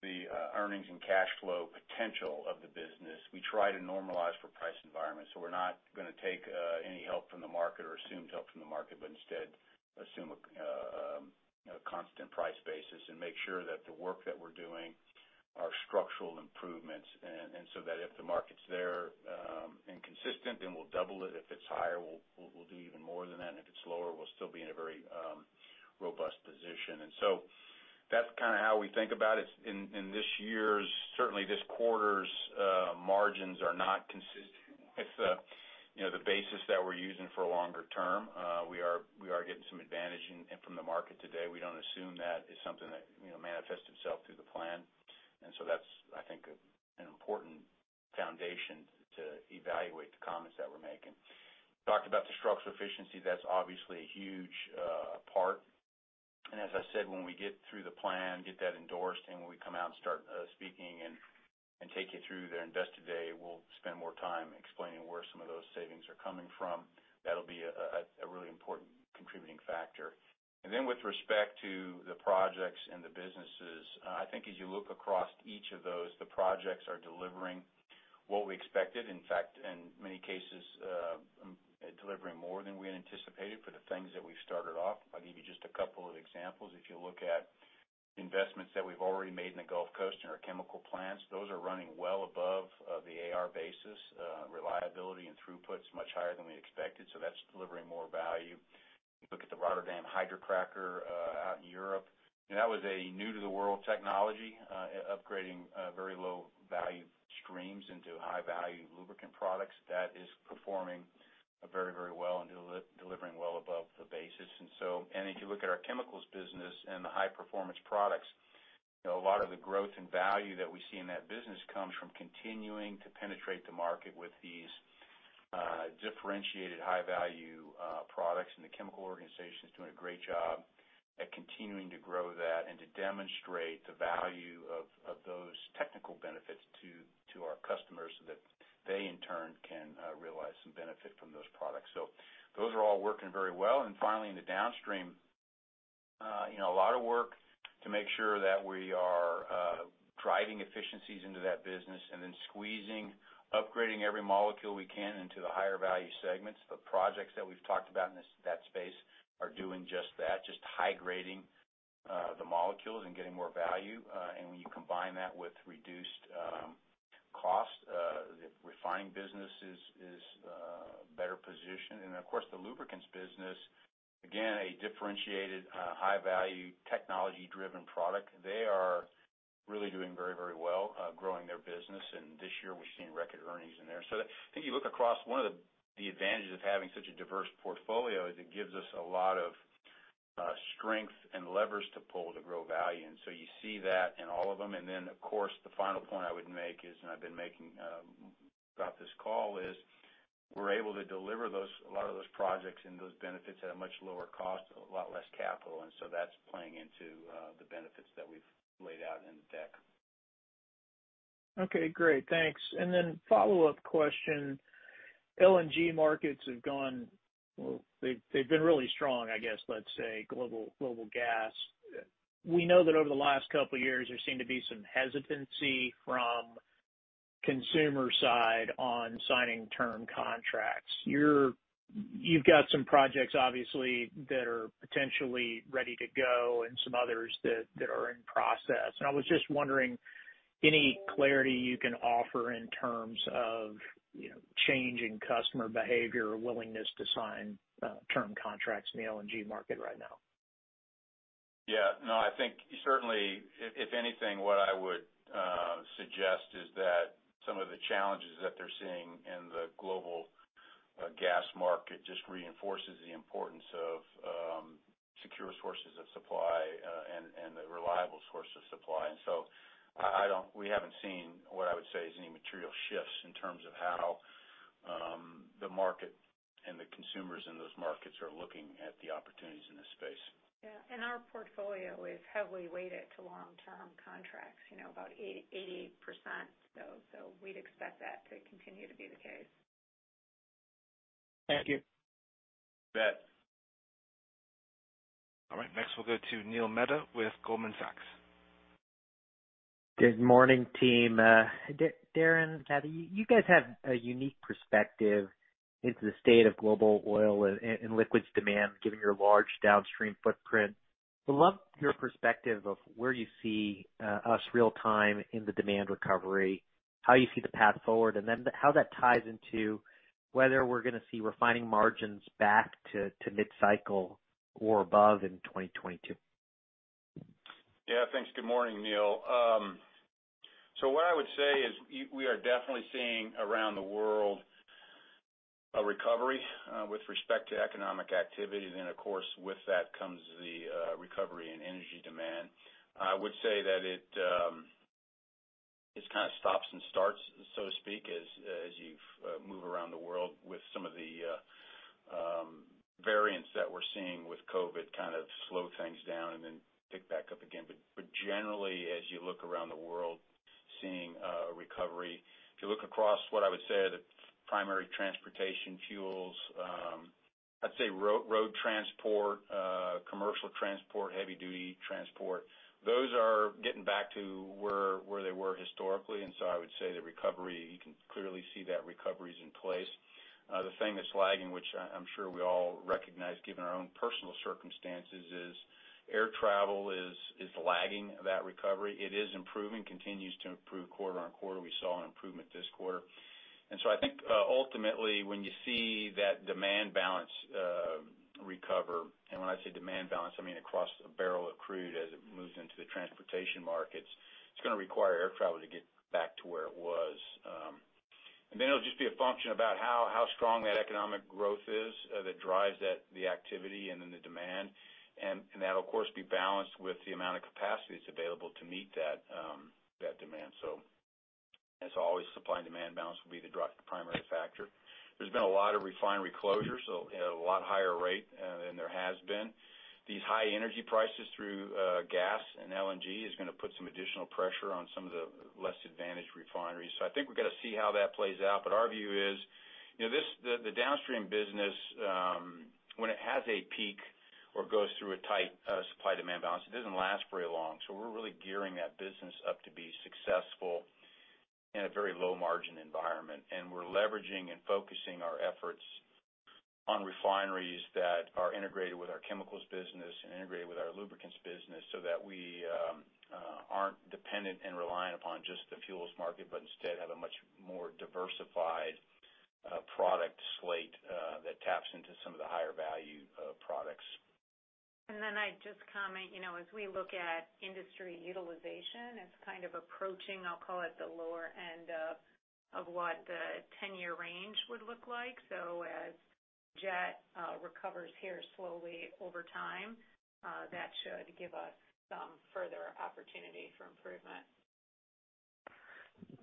the earnings and cash flow potential of the business, we try to normalize for price environment. We're not going to take any help from the market or assume help from the market, but instead assume a constant price basis and make sure that the work that we're doing are structural improvements. That if the market's there and consistent, then we'll double it. If it's higher, we'll do even more than that. If it's lower, we'll still be in a very robust position. That's kind of how we think about it. Certainly this quarter's margins are not consistent with the, you know, the basis that we're using for longer-term. We are getting some advantage in and from the market today. We don't assume that is something that, you know, manifests itself through the plan. That's, I think, an important foundation to evaluate the comments that we're making. We talked about the structural efficiency, that's obviously a huge part. As I said, when we get through the plan, get that endorsed, and when we come out and start speaking and take you through the Investor Day, we'll spend more time explaining where some of those savings are coming from. That'll be a really important contributing factor. With respect to the projects and the businesses, I think as you look across each of those, the projects are delivering what we expected. In fact, in many cases, delivering more than we had anticipated for the things that we started off. I'll give you just a couple of examples. If you look at investments that we've already made in the Gulf Coast and our chemical plants, those are running well above the AR basis. Reliability and throughput's much higher than we expected, so that's delivering more value. You look at the Rotterdam hydrocracker out in Europe, and that was a new to the world technology, upgrading very low value streams into high value lubricant products. That is performing very, very well and delivering well above the basis. If you look at our chemicals business and the high performance products, you know, a lot of the growth and value that we see in that business comes from continuing to penetrate the market with these, differentiated high value, products. The chemical organization is doing a great job at continuing to grow that and to demonstrate the value of those technical benefits to our customers so that they in turn can realize some benefit from those products. Those are all working very well. Finally, in the downstream, you know, a lot of work to make sure that we are driving efficiencies into that business and then squeezing, upgrading every molecule we can into the higher value segments. The projects that we've talked about in that space are doing just that, just high grading the molecules and getting more value. When you combine that with reduced cost, the refining business is better positioned. Of course, the lubricants business, again, a differentiated high value technology-driven product. They are really doing very, very well, growing their business. This year we've seen record earnings in there. I think you look across one of the advantages of having such a diverse portfolio is it gives us a lot of strength and levers to pull to grow value. You see that in all of them. Of course, the final point I would make is, and I've been making, throughout this call is, we're able to deliver those, a lot of those projects and those benefits at a much lower cost, a lot less capital. That's playing into the benefits that we've laid out in the deck. Okay, great. Thanks. Follow-up question. LNG markets, they've been really strong, I guess, let's say global gas. We know that over the last couple years there seemed to be some hesitancy from customer side on signing term contracts. You've got some projects obviously that are potentially ready to go and some others that are in process. I was just wondering any clarity you can offer in terms of, you know, change in customer behavior or willingness to sign term contracts in the LNG market right now. I think certainly if anything, what I would suggest is that some of the challenges that they're seeing in the global gas market just reinforces the importance of secure sources of supply, and a reliable source of supply. We haven't seen what I would say is any material shifts in terms of how the market and the consumers in those markets are looking at the opportunities in this space. Yeah. Our portfolio is heavily weighted to long-term contracts, you know, about 80%. We'd expect that to continue to be the case. Thank you. You bet. All right. Next, we'll go to Neil Mehta with Goldman Sachs. Good morning, team. Darren, Kathy, you guys have a unique perspective into the state of global oil and liquids demand, given your large downstream footprint. Would love your perspective of where you see us real time in the demand recovery, how you see the path forward, and then how that ties into whether we're going to see refining margins back to mid-cycle or above in 2022. Yeah. Thanks. Good morning, Neil. So what I would say is we are definitely seeing around the world a recovery with respect to economic activity. Of course, with that comes the recovery in energy demand. I would say that it just kind of stops and starts, so to speak, as you move around the world with some of the variants that we're seeing with COVID kind of slow things down and then pick back up again. Generally, as you look around the world, seeing a recovery. If you look across what I would say are the primary transportation fuels, I'd say road transport, commercial transport, heavy duty transport, those are getting back to where they were historically. I would say the recovery, you can clearly see that recovery's in place. The thing that's lagging, which I'm sure we all recognize given our own personal circumstances, is air travel lagging that recovery. It is improving and continues to improve quarter-over-quarter. We saw an improvement this quarter. I think, ultimately, when you see that demand balance recover, and when I say demand balance, I mean across a barrel of crude as it moves into the transportation markets, it's going to require air travel to get back to where it was. Then it'll just be a function about how strong that economic growth is that drives that, the activity and then the demand. That'll of course be balanced with the amount of capacity that's available to meet that demand. As always, supply and demand balance will be the primary factor. There's been a lot of refinery closures, so at a lot higher rate than there has been. These high energy prices through gas and LNG is going to put some additional pressure on some of the less advantaged refineries. I think we've gotta see how that plays out. Our view is, you know, this, the downstream business, when it has a peak or goes through a tight supply demand balance, it doesn't last very long. We're really gearing that business up to be successful in a very low margin environment. We're leveraging and focusing our efforts on refineries that are integrated with our chemicals business and integrated with our lubricants business so that we aren't dependent and reliant upon just the fuels market, but instead have a much more diversified product slate that taps into some of the higher value products. I'd just comment, you know, as we look at industry utilization, it's kind of approaching, I'll call it, the lower end of what the ten-year range would look like. As jet recovers here slowly over time, that should give us some further opportunity for improvement.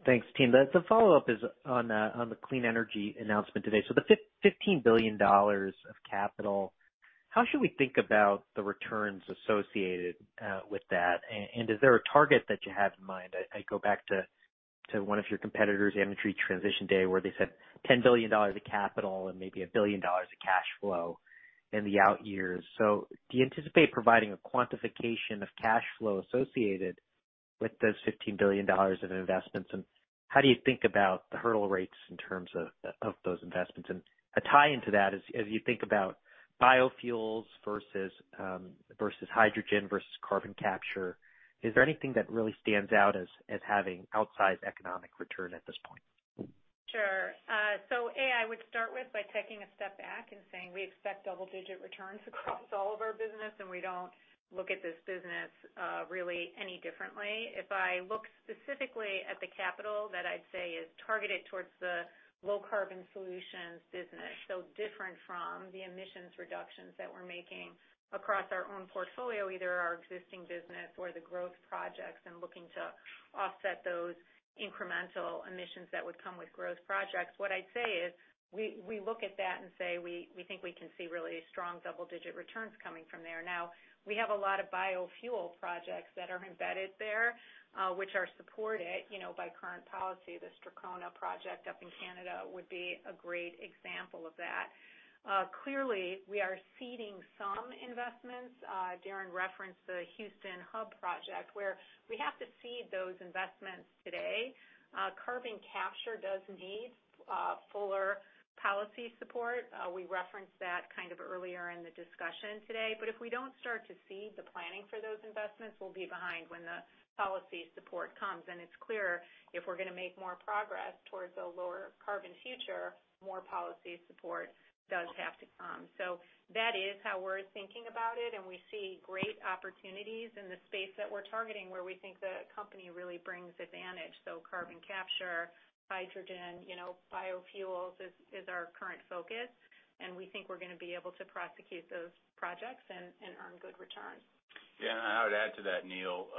Thanks, team. The follow-up is on the clean energy announcement today. The $15 billion of capital, how should we think about the returns associated with that? Is there a target that you have in mind? I go back to one of your competitors' Investor Day where they said $10 billion of capital and maybe $1 billion of cash flow in the out years. Do you anticipate providing a quantification of cash flow associated with those $15 billion of investments? How do you think about the hurdle rates in terms of those investments? A tie into that is as you think about biofuels versus hydrogen versus carbon capture, is there anything that really stands out as having outsized economic return at this point? Sure. I would start with by taking a step back and saying we expect double digit returns across all of our business, and we don't look at this business really any differently. If I look specifically at the capital that I'd say is targeted towards the low-carbon solutions business, so different from the emissions reductions that we're making across our own portfolio, either our existing business or the growth projects, and looking to offset those incremental emissions that would come with growth projects. What I'd say is we think we can see really strong double digit returns coming from there. Now, we have a lot of biofuel projects that are embedded there, which are supported, you know, by current policy. The Strathcona project up in Canada would be a great example of that. Clearly we are seeding some investments. Darren referenced the Houston Hub project where we have to seed those investments today. Carbon capture does need fuller policy support. We referenced that kind of earlier in the discussion today. If we don't start to seed the planning for those investments, we'll be behind when the policy support comes. It's clear, if we're going to make more progress towards a lower carbon future, more policy support does have to come. That is how we're thinking about it, and we see great opportunities in the space that we're targeting where we think the company really brings advantage. Carbon capture, hydrogen, you know, biofuels is our current focus, and we think we're going to be able to prosecute those projects and earn good returns. Yeah, I would add to that, Neil.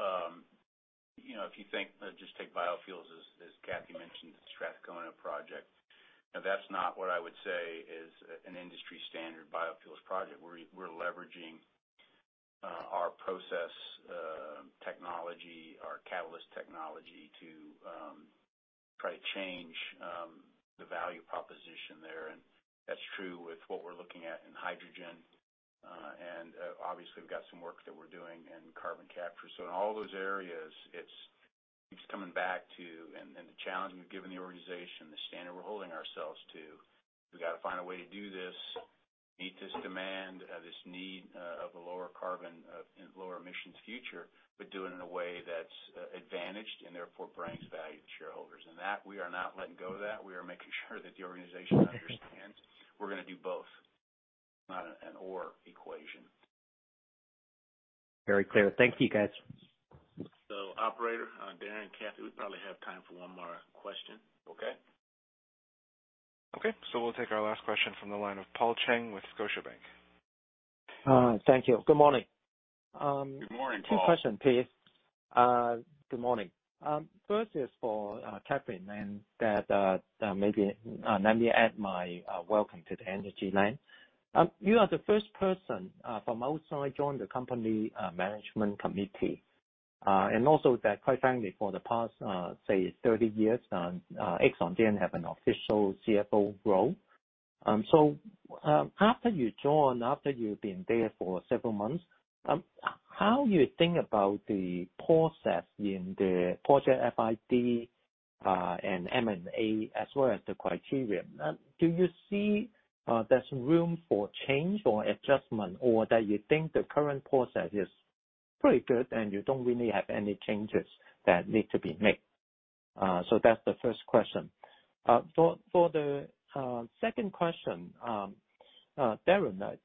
You know, if you think, just take biofuels as Kathy mentioned, the Strathcona project, now that's not what I would say is an industry standard biofuels project. We're leveraging our process technology or catalyst technology to try to change the value proposition there. That's true with what we're looking at in hydrogen. Obviously we've got some work that we're doing in carbon capture. In all those areas, it's coming back to and the challenge we've given the organization, the standard we're holding ourselves to, we've got to find a way to do this, meet this demand, this need of a lower carbon lower emissions future, but do it in a way that's advantaged and therefore brings value to shareholders. That, we are not letting go of that. We are making sure that the organization understands we're going to do both. Not an or equation. Very clear. Thank you, guys. Operator, Darren and Kathy, we probably have time for one more question. Okay. We'll take our last question from the line of Paul Cheng with Scotiabank. Thank you. Good morning. Good morning, Paul. Two questions, please. Good morning. First is for Kathy. Let me add my welcome to the energy line. You are the first person from outside join the company Management Committee. Also that, quite frankly, for the past say 30 years, Exxon didn't have an official CFO role. After you join, after you've been there for several months, how you think about the process in the project FID and M&A as well as the criteria? Do you see there's room for change or adjustment or that you think the current process is pretty good and you don't really have any changes that need to be made? That's the first question. For the second question, Darren,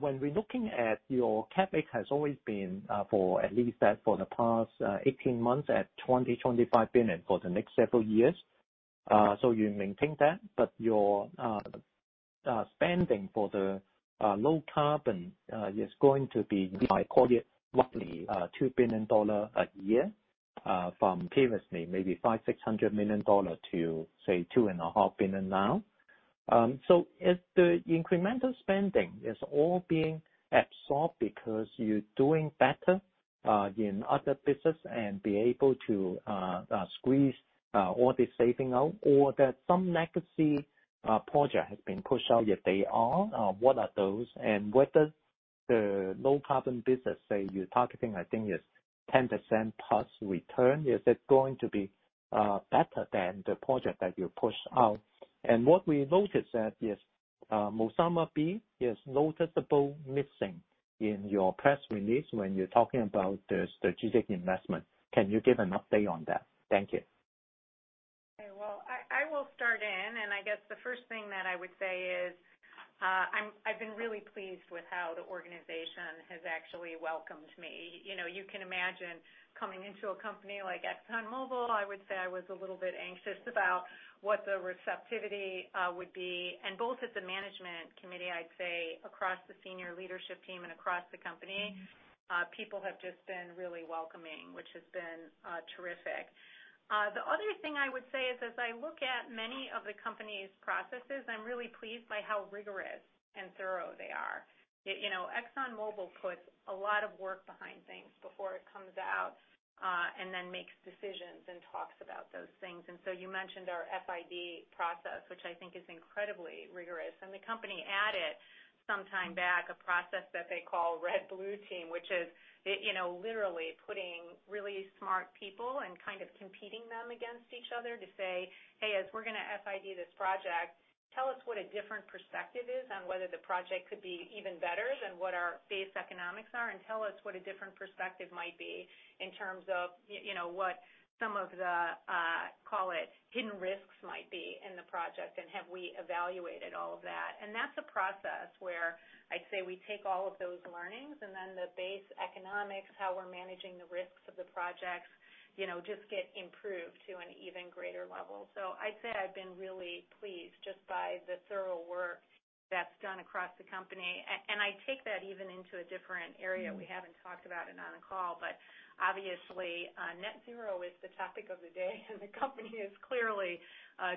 when we're looking at your CapEx has always been for at least the past 18 months at $20 billion, $25 billion for the next several years. You maintain that, but your spending for the low carbon is going to be, I call it roughly, $2 billion a year from previously maybe $500 million, $600 million to say $2.5 billion now. Is the incremental spending all being absorbed because you're doing better in other business and be able to squeeze all the savings out or that some legacy project has been pushed out, if they are, what are those? Whether the low-carbon business, say you're targeting, I think it's 10%+ return, is it going to be better than the project that you pushed out? What we noticed is that Rovuma LNG is notably missing in your press release when you're talking about the strategic investment. Can you give an update on that? Thank you. Okay, well, I will start in. I guess the first thing that I would say is, I'm really pleased with how the organization has actually welcomed me. You know, you can imagine coming into a company like ExxonMobil, I would say I was a little bit anxious about what the receptivity would be. Both at the Management Committee, I'd say across the senior leadership team and across the company, people have just been really welcoming, which has been terrific. The other thing I would say is as I look at many of the company's processes, I'm really pleased by how rigorous and thorough they are. You know, ExxonMobil puts a lot of work behind things before it comes out, and then makes decisions and talks about those things. You mentioned our FID process, which I think is incredibly rigorous. The company added some time back a process that they call Red Blue Team, which is, you know, literally putting really smart people and kind of competing them against each other to say, "Hey, as we're going to FID this project, tell us what a different perspective is on whether the project could be even better than what our base economics are, and tell us what a different perspective might be in terms of, you know, what some of the, call it hidden risks might be in the project, and have we evaluated all of that." That's a process where I'd say we take all of those learnings and then the base economics, how we're managing the risks of the projects, you know, just get improved to an even greater level. I'd say I've been really pleased just by the thorough work that's done across the company. I take that even into a different area. We haven't talked about it on the call, but obviously, net zero is the topic of the day, and the company is clearly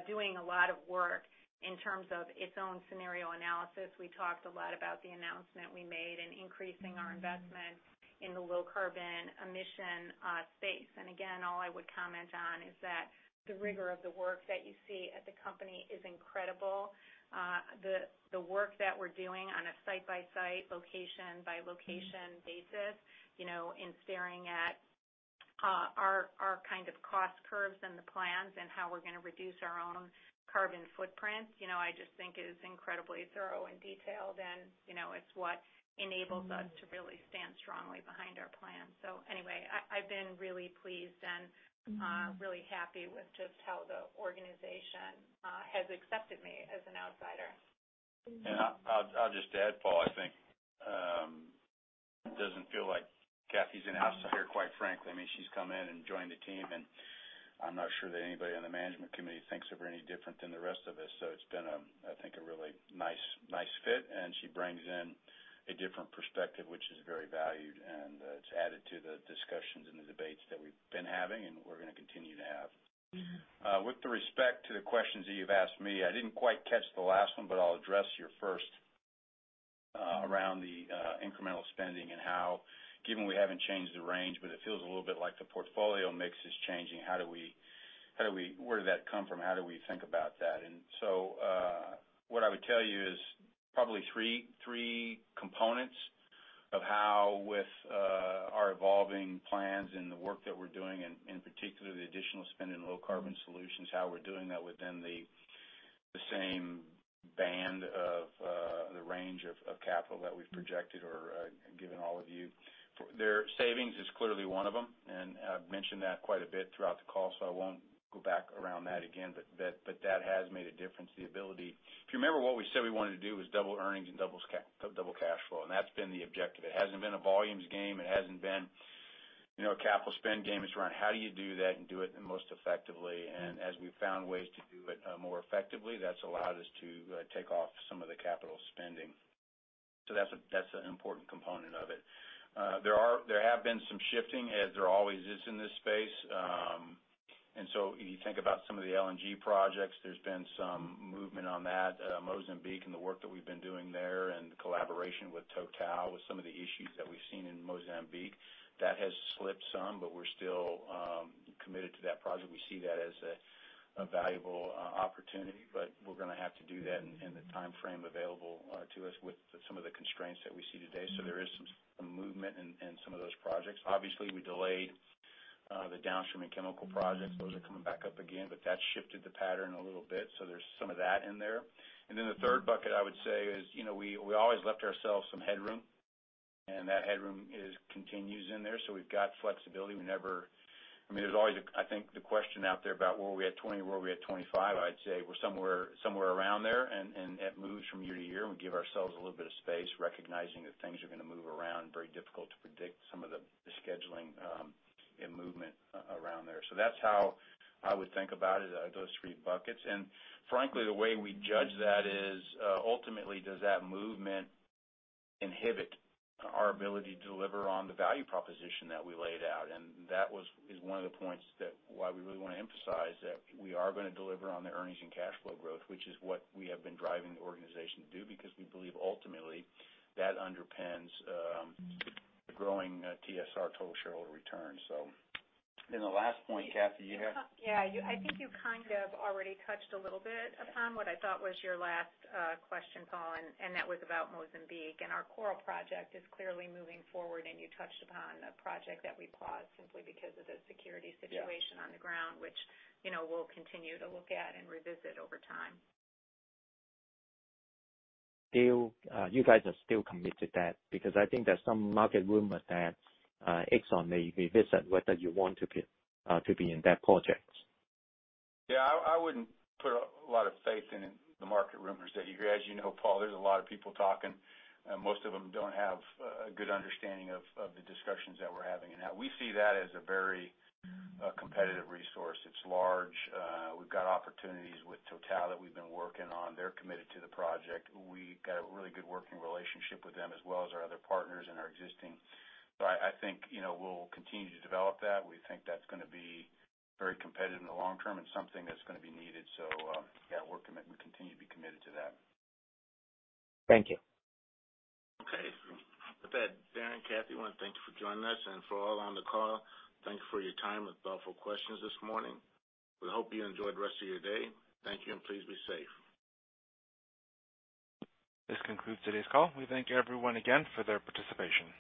doing a lot of work in terms of its own scenario analysis. We talked a lot about the announcement we made in increasing our investment in the low-carbon emission space. Again, all I would comment on is that the rigor of the work that you see at the company is incredible. The work that we're doing on a site-by-site, location-by-location basis, you know, in staring at our kind of cost curves and the plans and how we're going to reduce our own carbon footprint, you know, I just think is incredibly thorough and detailed. You know, it's what enables us to really stand strongly behind our plan. Anyway, I've been really pleased and really happy with just how the organization has accepted me as an outsider. Yeah, I'll just add, Paul. I think it doesn't feel like Kathryn's an outsider, quite frankly. I mean, she's come in and joined the team, and I'm not sure that anybody on the Management Committee thinks of her any different than the rest of us. It's been, I think, a really nice fit, and she brings in a different perspective, which is very valued, and it's added to the discussions and the debates that we've been having and we're going to continue to have. With respect to the questions that you've asked me, I didn't quite catch the last one, but I'll address your first. Around the incremental spending and how, given we haven't changed the range, but it feels a little bit like the portfolio mix is changing. How do we, where did that come from? How do we think about that? What I would tell you is probably three components of how, with our evolving plans and the work that we're doing, and in particular, the additional spend in low-carbon solutions, how we're doing that within the same band of the range of capital that we've projected or given all of you. Savings is clearly one of them, and I've mentioned that quite a bit throughout the call, so I won't go back around that again. But that has made a difference, the ability. If you remember what we said we wanted to do was double earnings and double cash flow, and that's been the objective. It hasn't been a volumes game. It hasn't been, you know, a capital spend game. It's around how do you do that and do it the most effectively. As we've found ways to do it more effectively, that's allowed us to take off some of the capital spending. That's an important component of it. There have been some shifting as there always is in this space. You think about some of the LNG projects, there's been some movement on that. Mozambique and the work that we've been doing there and the collaboration with Total, with some of the issues that we've seen in Mozambique, that has slipped some, but we're still committed to that project. We see that as a valuable opportunity, but we're going to have to do that in the timeframe available to us with some of the constraints that we see today, so there is some movement in some of those projects. Obviously, we delayed the downstream and chemical projects. Those are coming back up again, but that shifted the pattern a little bit, so there's some of that in there. Then the third bucket I would say is, you know, we always left ourselves some headroom, and that headroom is continues in there. We've got flexibility. We never, I mean, there's always, I think, the question out there about where were we at 2020, where were we at 2025? I'd say we're somewhere around there, and it moves from year to year, and we give ourselves a little bit of space recognizing that things are going to move around. Very difficult to predict some of the scheduling, and movement around there. That's how I would think about it, those three buckets. Frankly, the way we judge that is, ultimately, does that movement inhibit our ability to deliver on the value proposition that we laid out? That is one of the points that's why we really want to emphasize that we are going to deliver on the earnings and cash flow growth, which is what we have been driving the organization to do because we believe ultimately that underpins the growing TSR, total shareholder return. The last point, Kathy. Yeah, I think you kind of already touched a little bit upon what I thought was your last question, Paul, and that was about Mozambique. Our Coral project is clearly moving forward, and you touched upon a project that we paused simply because of the security situation on the ground, which, you know, we'll continue to look at and revisit over time. Still, you guys are still committed to that because I think there's some market rumor that Exxon may revisit whether you want to be in that project. Yeah, I wouldn't put a lot of faith in the market rumors that you hear. As you know, Paul, there's a lot of people talking, and most of them don't have a good understanding of the discussions that we're having and how we see that as a very competitive resource. It's large. We've got opportunities with TotalEnergies that we've been working on. They're committed to the project. We've got a really good working relationship with them as well as our other partners and our existing. I think, you know, we'll continue to develop that. We think that's going to be very competitive in the long term and something that's going to be needed. Yeah, we continue to be committed to that. Thank you. Okay. With that, Darren, Kathryn, want to thank you for joining us and for all on the call, thank you for your time and thoughtful questions this morning. We hope you enjoy the rest of your day. Thank you, and please be safe. This concludes today's call. We thank everyone again for their participation.